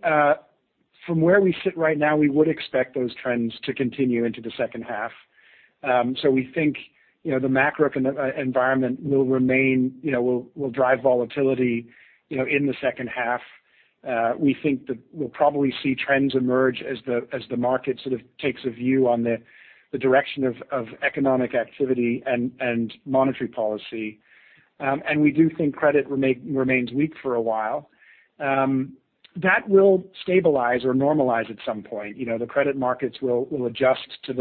from where we sit right now, we would expect those trends to continue into the H2. We think the macro economic environment will remain, will drive volatility in the H2. We think that we'll probably see trends emerge as the market sort of takes a view on the direction of economic activity and monetary policy. We do think credit remains weak for a while. That will stabilize or normalize at some point. The credit markets will adjust to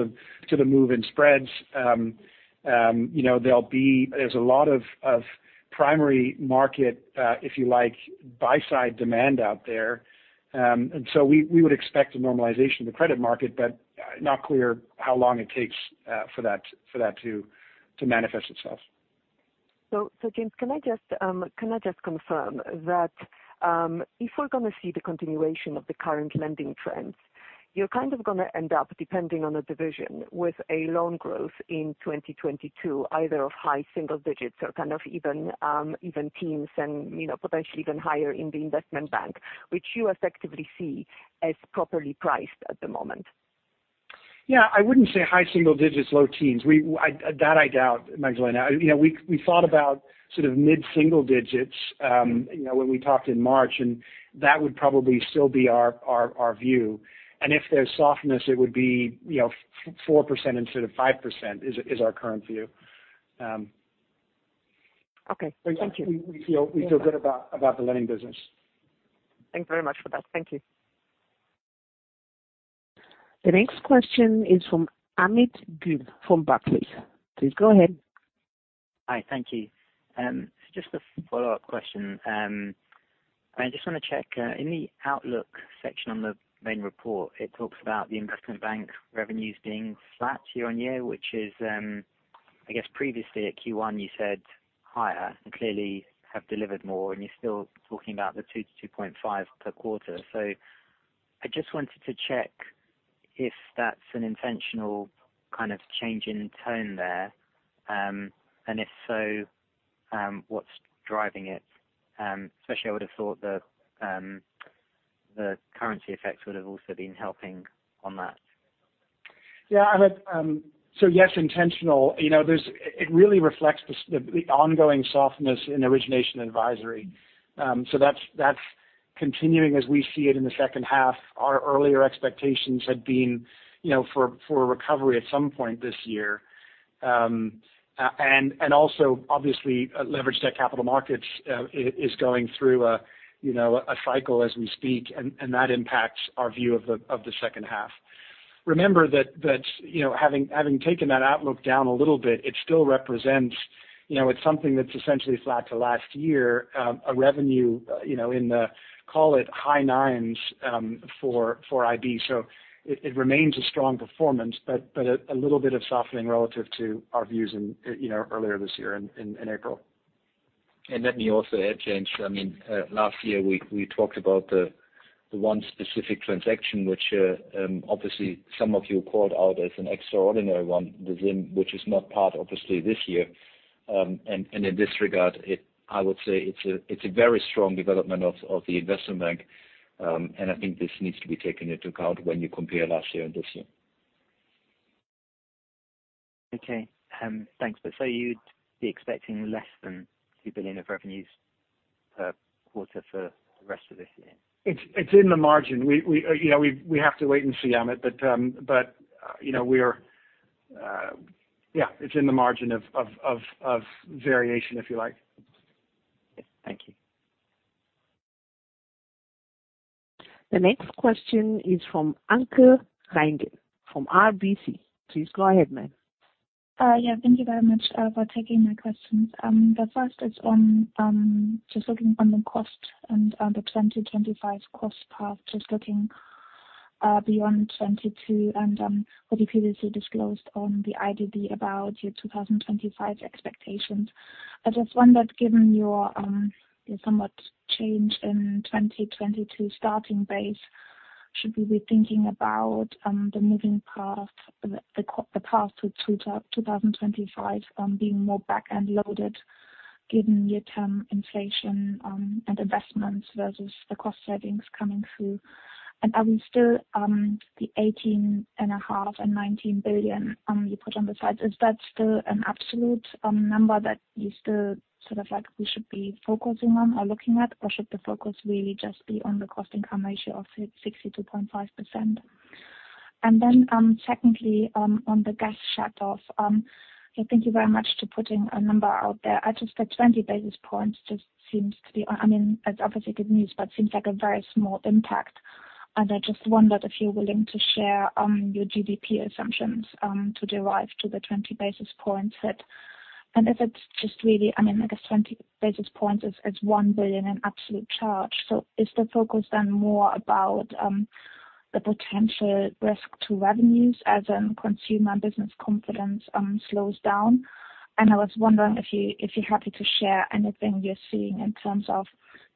the move in spreads. There's a lot of primary market, if you like, buy-side demand out there. We would expect a normalization of the credit market, but not clear how long it takes for that to manifest itself. James, can I just confirm that if we're gonna see the continuation of the current lending trends, you're kind of gonna end up depending on the division with a loan growth in 2022, either of high single digits or even teens and, you know, potentially even higher in the Investment Bank, which you effectively see as properly priced at the moment. Yeah, I wouldn't say high single digits, low teens. That I doubt, Magdalena. You know, we thought about sort of mid-single digits, you know, when we talked in March, and that would probably still be our view. If there's softness, it would be, you know, 4% instead of 5%, is our current view. Okay. Thank you. We feel good about the lending business. Thanks very much for that. Thank you. The next question is from Amit Goel from Barclays. Please go ahead. Hi. Thank you. Just a follow-up question. I just wanna check, in the outlook section on the main report, it talks about the Investment Bank revenues being flat year-on-year, which is, I guess previously at Q1 you said higher and clearly have delivered more and you're still talking about the 2 to 2.5 per quarter. I just wanted to check if that's an intentional kind of change in tone there. If so, what's driving it? Especially, I would have thought the currency effects would have also been helping on that? Yeah. Amit, so yes, intentional. You know, it really reflects the ongoing softness in origination advisory. That's continuing as we see it in the H2. Our earlier expectations had been, you know, for a recovery at some point this year. Also obviously, leveraged capital markets is going through a cycle as we speak, and that impacts our view of the H2. Remember that, you know, having taken that outlook down a little bit, it still represents, you know, it's something that's essentially flat to last year, a revenue, you know, in the call it high 9's, for IB. It remains a strong performance, but a little bit of softening relative to our views in, you know, earlier this year in April. Let me also add, James, I mean, last year we talked about the 1 specific transaction which obviously some of you called out as an extraordinary one within which is not part obviously this year. In this regard, I would say it's a very strong development of the Investment Bank. I think this needs to be taken into account when you compare last year and this year. Okay. Thanks. You'd be expecting less than 2 billion of revenues per quarter for the rest of this year? It's in the margin. We you know we have to wait and see, Amit. You know we're yeah it's in the margin of variation, if you like. Thank you. The next question is from Anke Reingen from RBC. Please go ahead, ma'am. Yeah, thank you very much for taking my questions. The first is on just looking at the cost and the 2025 cost path. Beyond 2022 and what you previously disclosed on the IDD about your 2025 expectations. I just wondered, given your somewhat change in 2022 starting base, should we be thinking about the path to 2025 being more back-end loaded given near-term inflation and investments versus the cost savings coming through? Are we still the 18.5 billion and 19 billion you put on the side, is that still an absolute number that you still sort of like we should be focusing on or looking at, or should the focus really just be on the cost-income ratio of 62.5%? Then, secondly, on the gas shutoff, thank you very much for putting a number out there. I just think 20 basis points just seems to be I mean, it's obviously good news, but seems like a very small impact. I just wondered if you're willing to share your GDP assumptions to derive the 20 basis points that. If it's just really, I mean, I guess 20 basis points is 1 billion in absolute charge. Is the focus then more about the potential risk to revenues as in consumer and business confidence slows down? I was wondering if you're happy to share anything you're seeing in terms of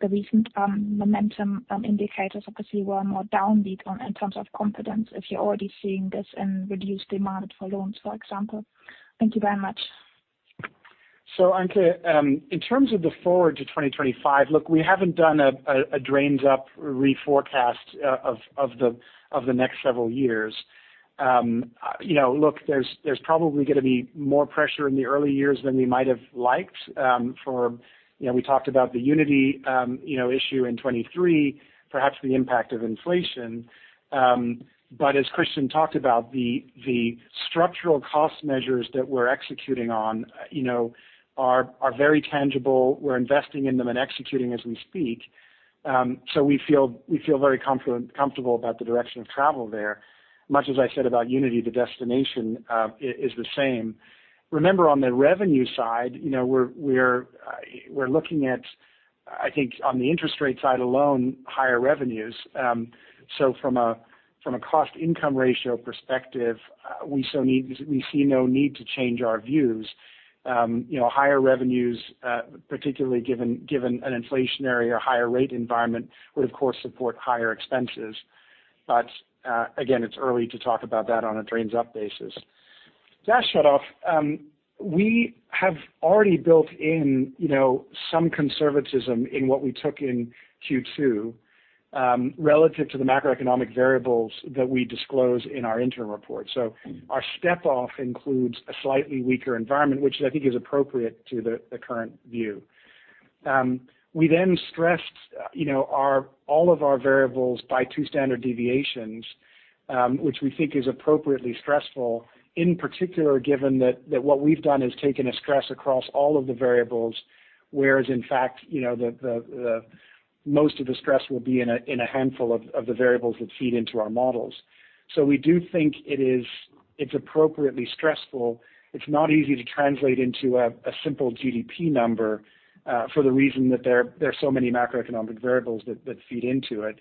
the recent momentum indicators. Obviously, we're more downbeat on in terms of confidence, if you're already seeing this in reduced demand for loans, for example. Thank you very much. Anke Reingen, in terms of the forecast to 2025, look, we haven't done a bottom-up reforecast of the next several years. You know, look, there's probably gonna be more pressure in the early years than we might have liked, for, you know, we talked about the Project Unity issue in 2023, perhaps the impact of inflation. As Christian Sewing talked about, the structural cost measures that we're executing on, you know, are very tangible. We're investing in them and executing as we speak. We feel very comfortable about the direction of travel there. Much as I said about Project Unity, the destination is the same. Remember on the revenue side, you know, we're looking at, I think on the interest rate side alone, higher revenues. From a cost-income ratio perspective, we see no need to change our views. You know, higher revenues, particularly given an inflationary or higher rate environment would of course support higher expenses. Again, it's early to talk about that on a run-rate basis. The gas shutoff, we have already built in, you know, some conservatism in what we took in Q2, relative to the macroeconomic variables that we disclose in our interim report. Our setup includes a slightly weaker environment, which I think is appropriate to the current view. We stressed, you know, all of our variables by 2 standard deviations, which we think is appropriately stressful, in particular, given that what we've done is taken a stress across all of the variables, whereas in fact, you know, the most of the stress will be in a handful of the variables that feed into our models. We do think it is appropriately stressful. It's not easy to translate into a simple GDP number, for the reason that there are so many macroeconomic variables that feed into it.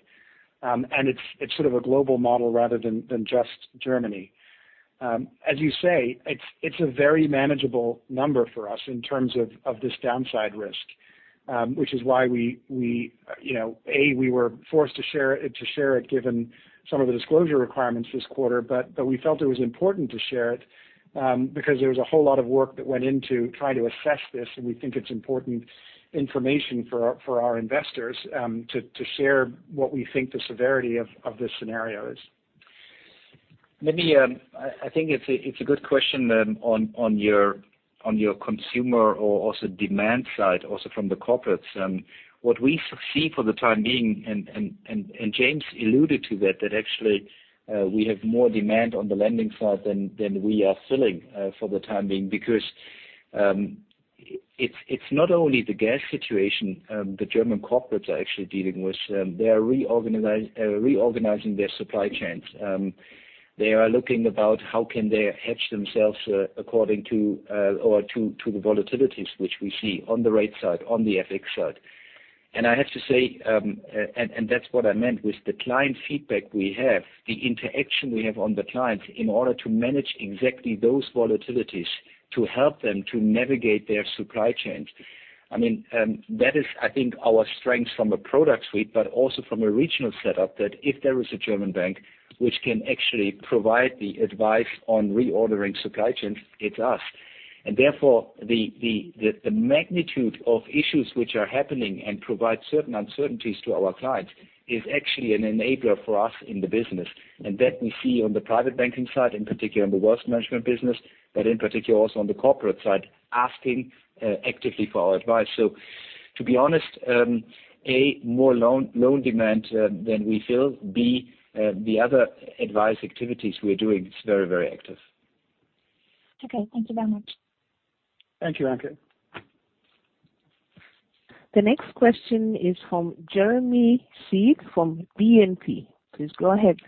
It's sort of a global model rather than just Germany. As you say, it's a very manageable number for us in terms of this downside risk, which is why we, you know, we were forced to share it given some of the disclosure requirements this quarter, but we felt it was important to share it, because there was a whole lot of work that went into trying to assess this, and we think it's important information for our investors to share what we think the severity of this scenario is. Let me, I think it's a good question on your consumer or also demand side, also from the corporates. What we see for the time being, and James alluded to that actually, we have more demand on the lending side than we are filling for the time being because it's not only the gas situation, the German corporates are actually dealing with, they are reorganizing their supply chains. They are looking about how can they hedge themselves according to, or to the volatilities which we see on the rate side, on the FX side. I have to say, that's what I meant with the client feedback we have, the interaction we have with the clients in order to manage exactly those volatilities to help them to navigate their supply chains. I mean, that is I think our strength from a product suite, but also from a regional setup, that if there is a German bank which can actually provide the advice on reordering supply chains, it's us. Therefore, the magnitude of issues which are happening and provide certain uncertainties to our clients is actually an enabler for us in the business. That we see on the private banking side, in particular in the wealth management business, but in particular also on the corporate side, asking actively for our advice. To be honest, more loan demand than we feel. The other advisory activities we are doing is very, very active. Thank you, Anke. The next question is from Jeremy Sigee from BNP. Please go ahead.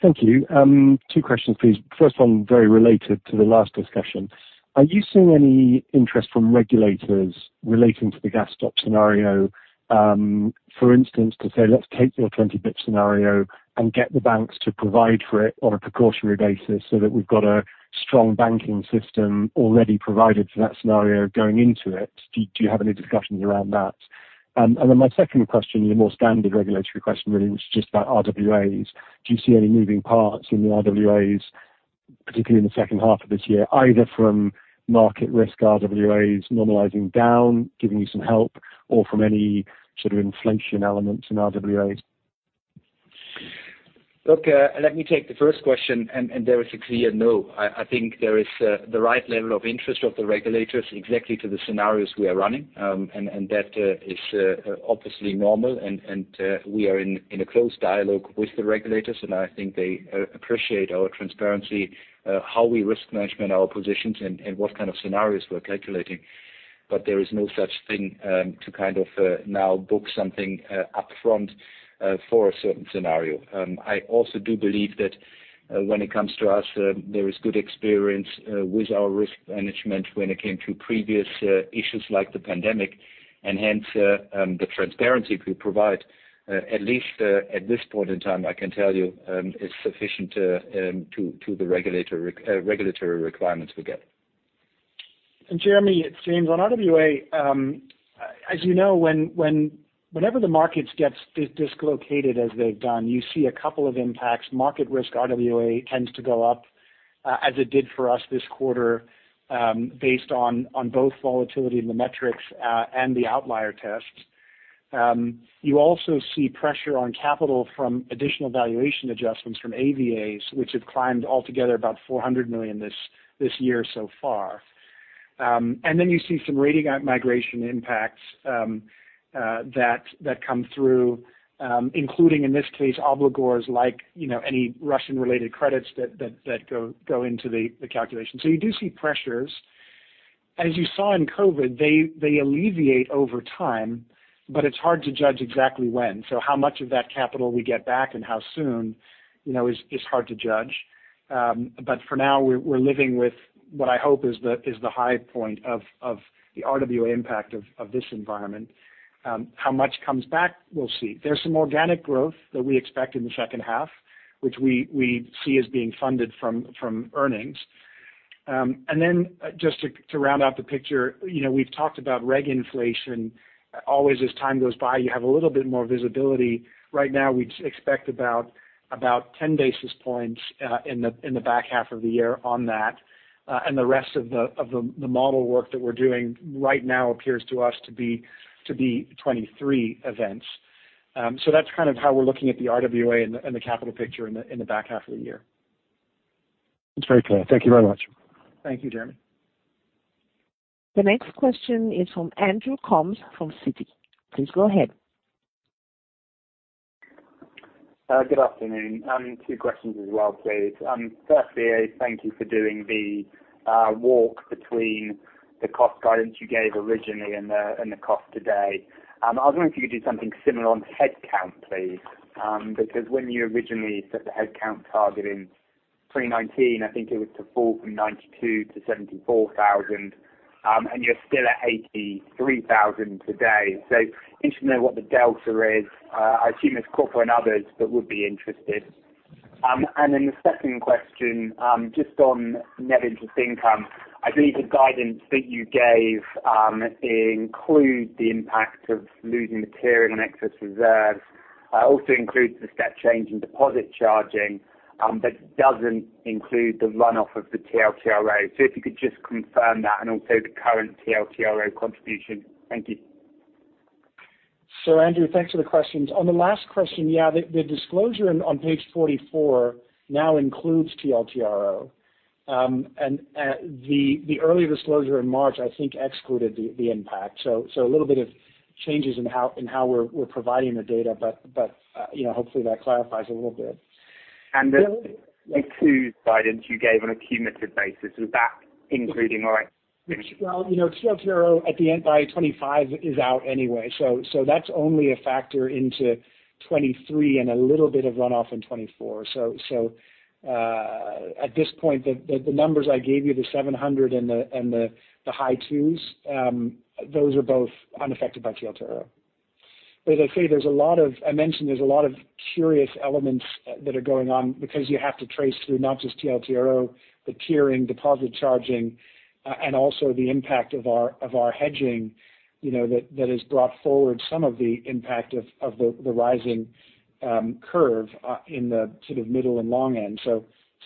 Thank you. 2 questions please. First one very related to the last discussion. Are you seeing any interest from regulators relating to the gas stop scenario, for instance, to say, "Let's take your 20 billion scenario and get the banks to provide for it on a precautionary basis so that we've got a strong banking system already provided for that scenario going into it." Do you have any discussions around that? My second question is a more standard regulatory question really, which is just about RWAs. Do you see any moving parts in the RWAs, particularly in the H2 of this year, either from market risk RWAs normalizing down, giving you some help, or from any sort of inflation elements in RWAs? Look, let me take the first question and there is a clear no. I think there is the right level of interest of the regulators exactly to the scenarios we are running. That is obviously normal, and we are in a close dialogue with the regulators, and I think they appreciate our transparency, how we risk-manage our positions and what kind of scenarios we're calculating. There is no such thing to kind of now book something upfront for a certain scenario. I also do believe that, when it comes to us, there is good experience with our risk management when it came to previous issues like the pandemic, and hence, the transparency we provide, at least at this point in time, I can tell you, is sufficient to the regulatory requirements we get. Jeremy, it's James. On RWA, as you know, whenever the markets gets dislocated as they've done, you see a couple of impacts. Market risk RWA tends to go up, as it did for us this quarter, based on both volatility in the metrics, and the outlier tests. You also see pressure on capital from additional valuation adjustments from AVAs, which have climbed altogether about 400 million this year so far. Then you see some rating migration impacts, that come through, including in this case, obligors like, you know, any Russian related credits that go into the calculation. You do see pressures. As you saw in COVID, they alleviate over time, but it's hard to judge exactly when. How much of that capital we get back and how soon, you know, is hard to judge. For now we're living with what I hope is the high point of the RWA impact of this environment. How much comes back, we'll see. There's some organic growth that we expect in the H2, which we see as being funded from earnings. Just to round out the picture, you know, we've talked about reg inflation. Always as time goes by, you have a little bit more visibility. Right now we'd expect about 10 basis points in the back half of the year on that. The rest of the model work that we're doing right now appears to us to be 23 events. That's kind of how we're looking at the RWA and the capital picture in the back half of the year. That's very clear. Thank you very much. Thank you, Jeremy. The next question is from Andrew Coombs from Citi. Please go ahead. Good afternoon. 2 questions as well, please. Firstly, thank you for doing the walk between the cost guidance you gave originally and the cost today. I was wondering if you could do something similar on headcount, please. Because when you originally set the headcount target in 2019, I think it was to fall from 92,000 to 74,000. You're still at 83,000 today. Interested to know what the delta is. I assume it's Corporate & Other that would be interested. The second question, just on net interest income. I believe the guidance that you gave includes the impact of losing material and excess reserves, also includes the step change in deposit charging, but doesn't include the runoff of the TLTRO. If you could just confirm that and also the current TLTRO contribution? Thank you. Andrew, thanks for the questions. On the last question, the disclosure on page 44 now includes TLTRO. The early disclosure in March I think excluded the impact. A little bit of changes in how we're providing the data, but you know, hopefully that clarifies a little bit. The Q guidance you gave on a cumulative basis, was that including or excluding? Well, you know, TLTRO at the end by 2025 is out anyway, so that's only a factor into 2023 and a little bit of runoff in 2024. At this point, the numbers I gave you, the 700 and the high 2s, those are both unaffected by TLTRO. As I say, there's a lot of curious elements that are going on because you have to trace through not just TLTRO, the tiering, deposit charging, and also the impact of our hedging, you know, that has brought forward some of the impact of the rising curve in the sort of middle and long end.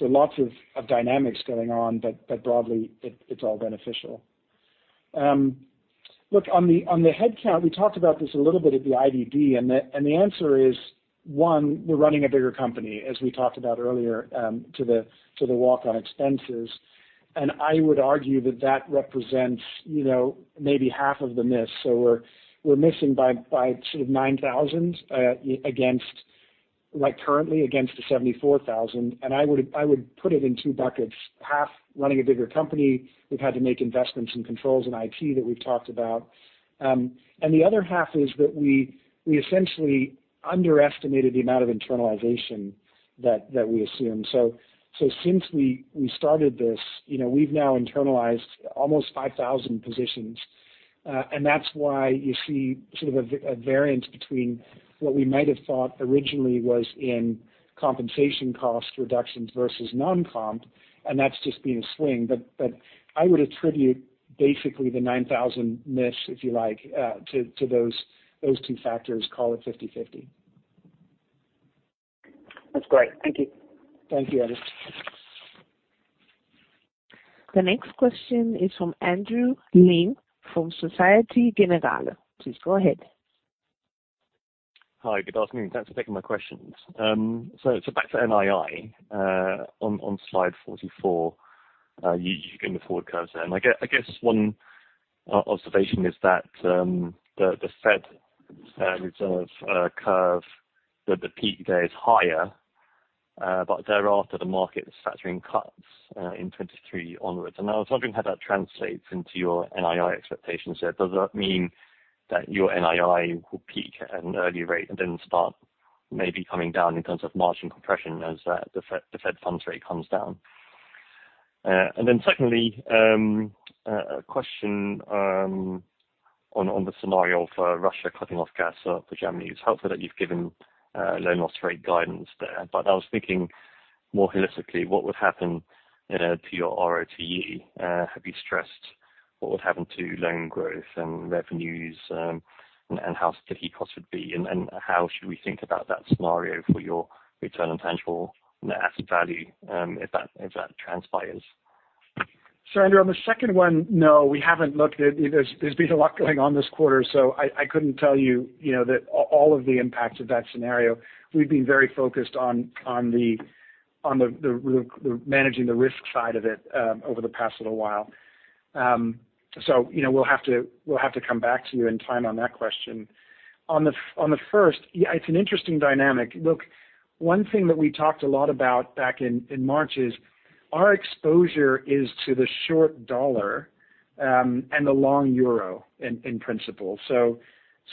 Lots of dynamics going on, but broadly it's all beneficial. Look, on the headcount, we talked about this a little bit at the IDD, and the answer is, 1, we're running a bigger company, as we talked about earlier, to the walk on expenses. I would argue that represents, you know, maybe half of the miss. We're missing by sort of 9,000 against like currently against the 74,000. I would put it in 2 buckets. Half running a bigger company, we've had to make investments in controls and IT that we've talked about. The other half is that we essentially underestimated the amount of internalization that we assume. Since we started this, you know, we've now internalized almost 5,000 positions. That's why you see sort of a variance between what we might have thought originally was in compensation cost reductions versus non-comp, and that's just been a swing. I would attribute basically the 9,000 miss, if you like, to those 2 factors, call it 50/50. That's great. Thank you. Thank you, Andrew Coombs. The next question is from Andrew Lim from Société Générale. Please go ahead. Hi. Good afternoon. Thanks for taking my questions. Back to NII on slide 44, you in the forward curves there. I guess 1 observation is that the Fed reserve curve that the peak there is higher, but thereafter, the market is factoring cuts in 2023 onwards. I was wondering how that translates into your NII expectations there. Does that mean that your NII will peak at an early rate and then start maybe coming down in terms of margin compression as the Fed funds rate comes down? Secondly, a question on the scenario for Russia cutting off gas supply for Germany. It's helpful that you've given loan loss rate guidance there. I was thinking more holistically, what would happen, you know, to your RoTE, have you stressed what would happen to loan growth and revenues, and how sticky costs would be, and how should we think about that scenario for your return on tangible net asset value, if that transpires? Andrew, on the second one, no, we haven't looked at it. There's been a lot going on this quarter, so I couldn't tell you know, all of the impacts of that scenario. We've been very focused on managing the risk side of it over the past little while. You know, we'll have to come back to you in time on that question. On the first, yeah, it's an interesting dynamic. Look, 1 thing that we talked a lot about back in March is our exposure to the short dollar and the long euro in principle.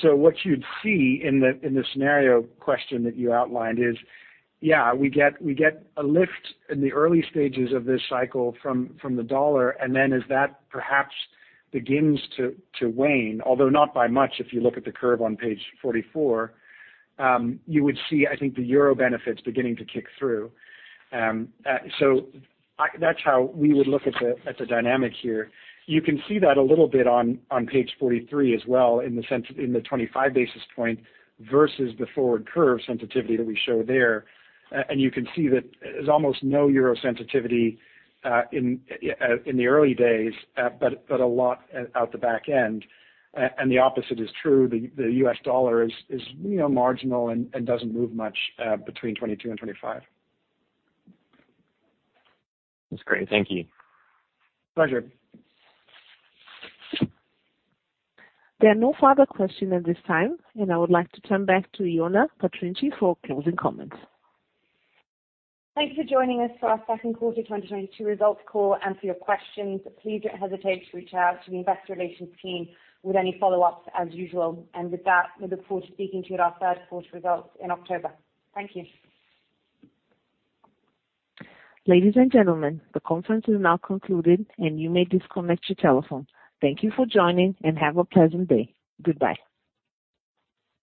What you'd see in the scenario question that you outlined is, we get a lift in the early stages of this cycle from the US dollar, and then as that perhaps begins to wane, although not by much, if you look at the curve on page 44, you would see, I think, the euro benefits beginning to kick through. That's how we would look at the dynamic here. You can see that a little bit on page 43 as well, in the sense in the 25 basis point versus the forward curve sensitivity that we show there. You can see that there's almost no euro sensitivity in the early days, but a lot at the back end. The opposite is true. The U.S. dollar is, you know, marginal and doesn't move much between 22 and 25. That's great. Thank you. Pleasure. There are no further questions at this time, and I would like to turn back to Ioana Patriniche for closing comments. Thanks for joining us for our Q2 2022 results call and for your questions. Please don't hesitate to reach out to the investor relations team with any follow-ups as usual. With that, we look forward to speaking to you at our Q3 results in October. Thank you. Ladies and gentlemen, the conference is now concluded, and you may disconnect your telephone. Thank you for joining, and have a pleasant day. Goodbye.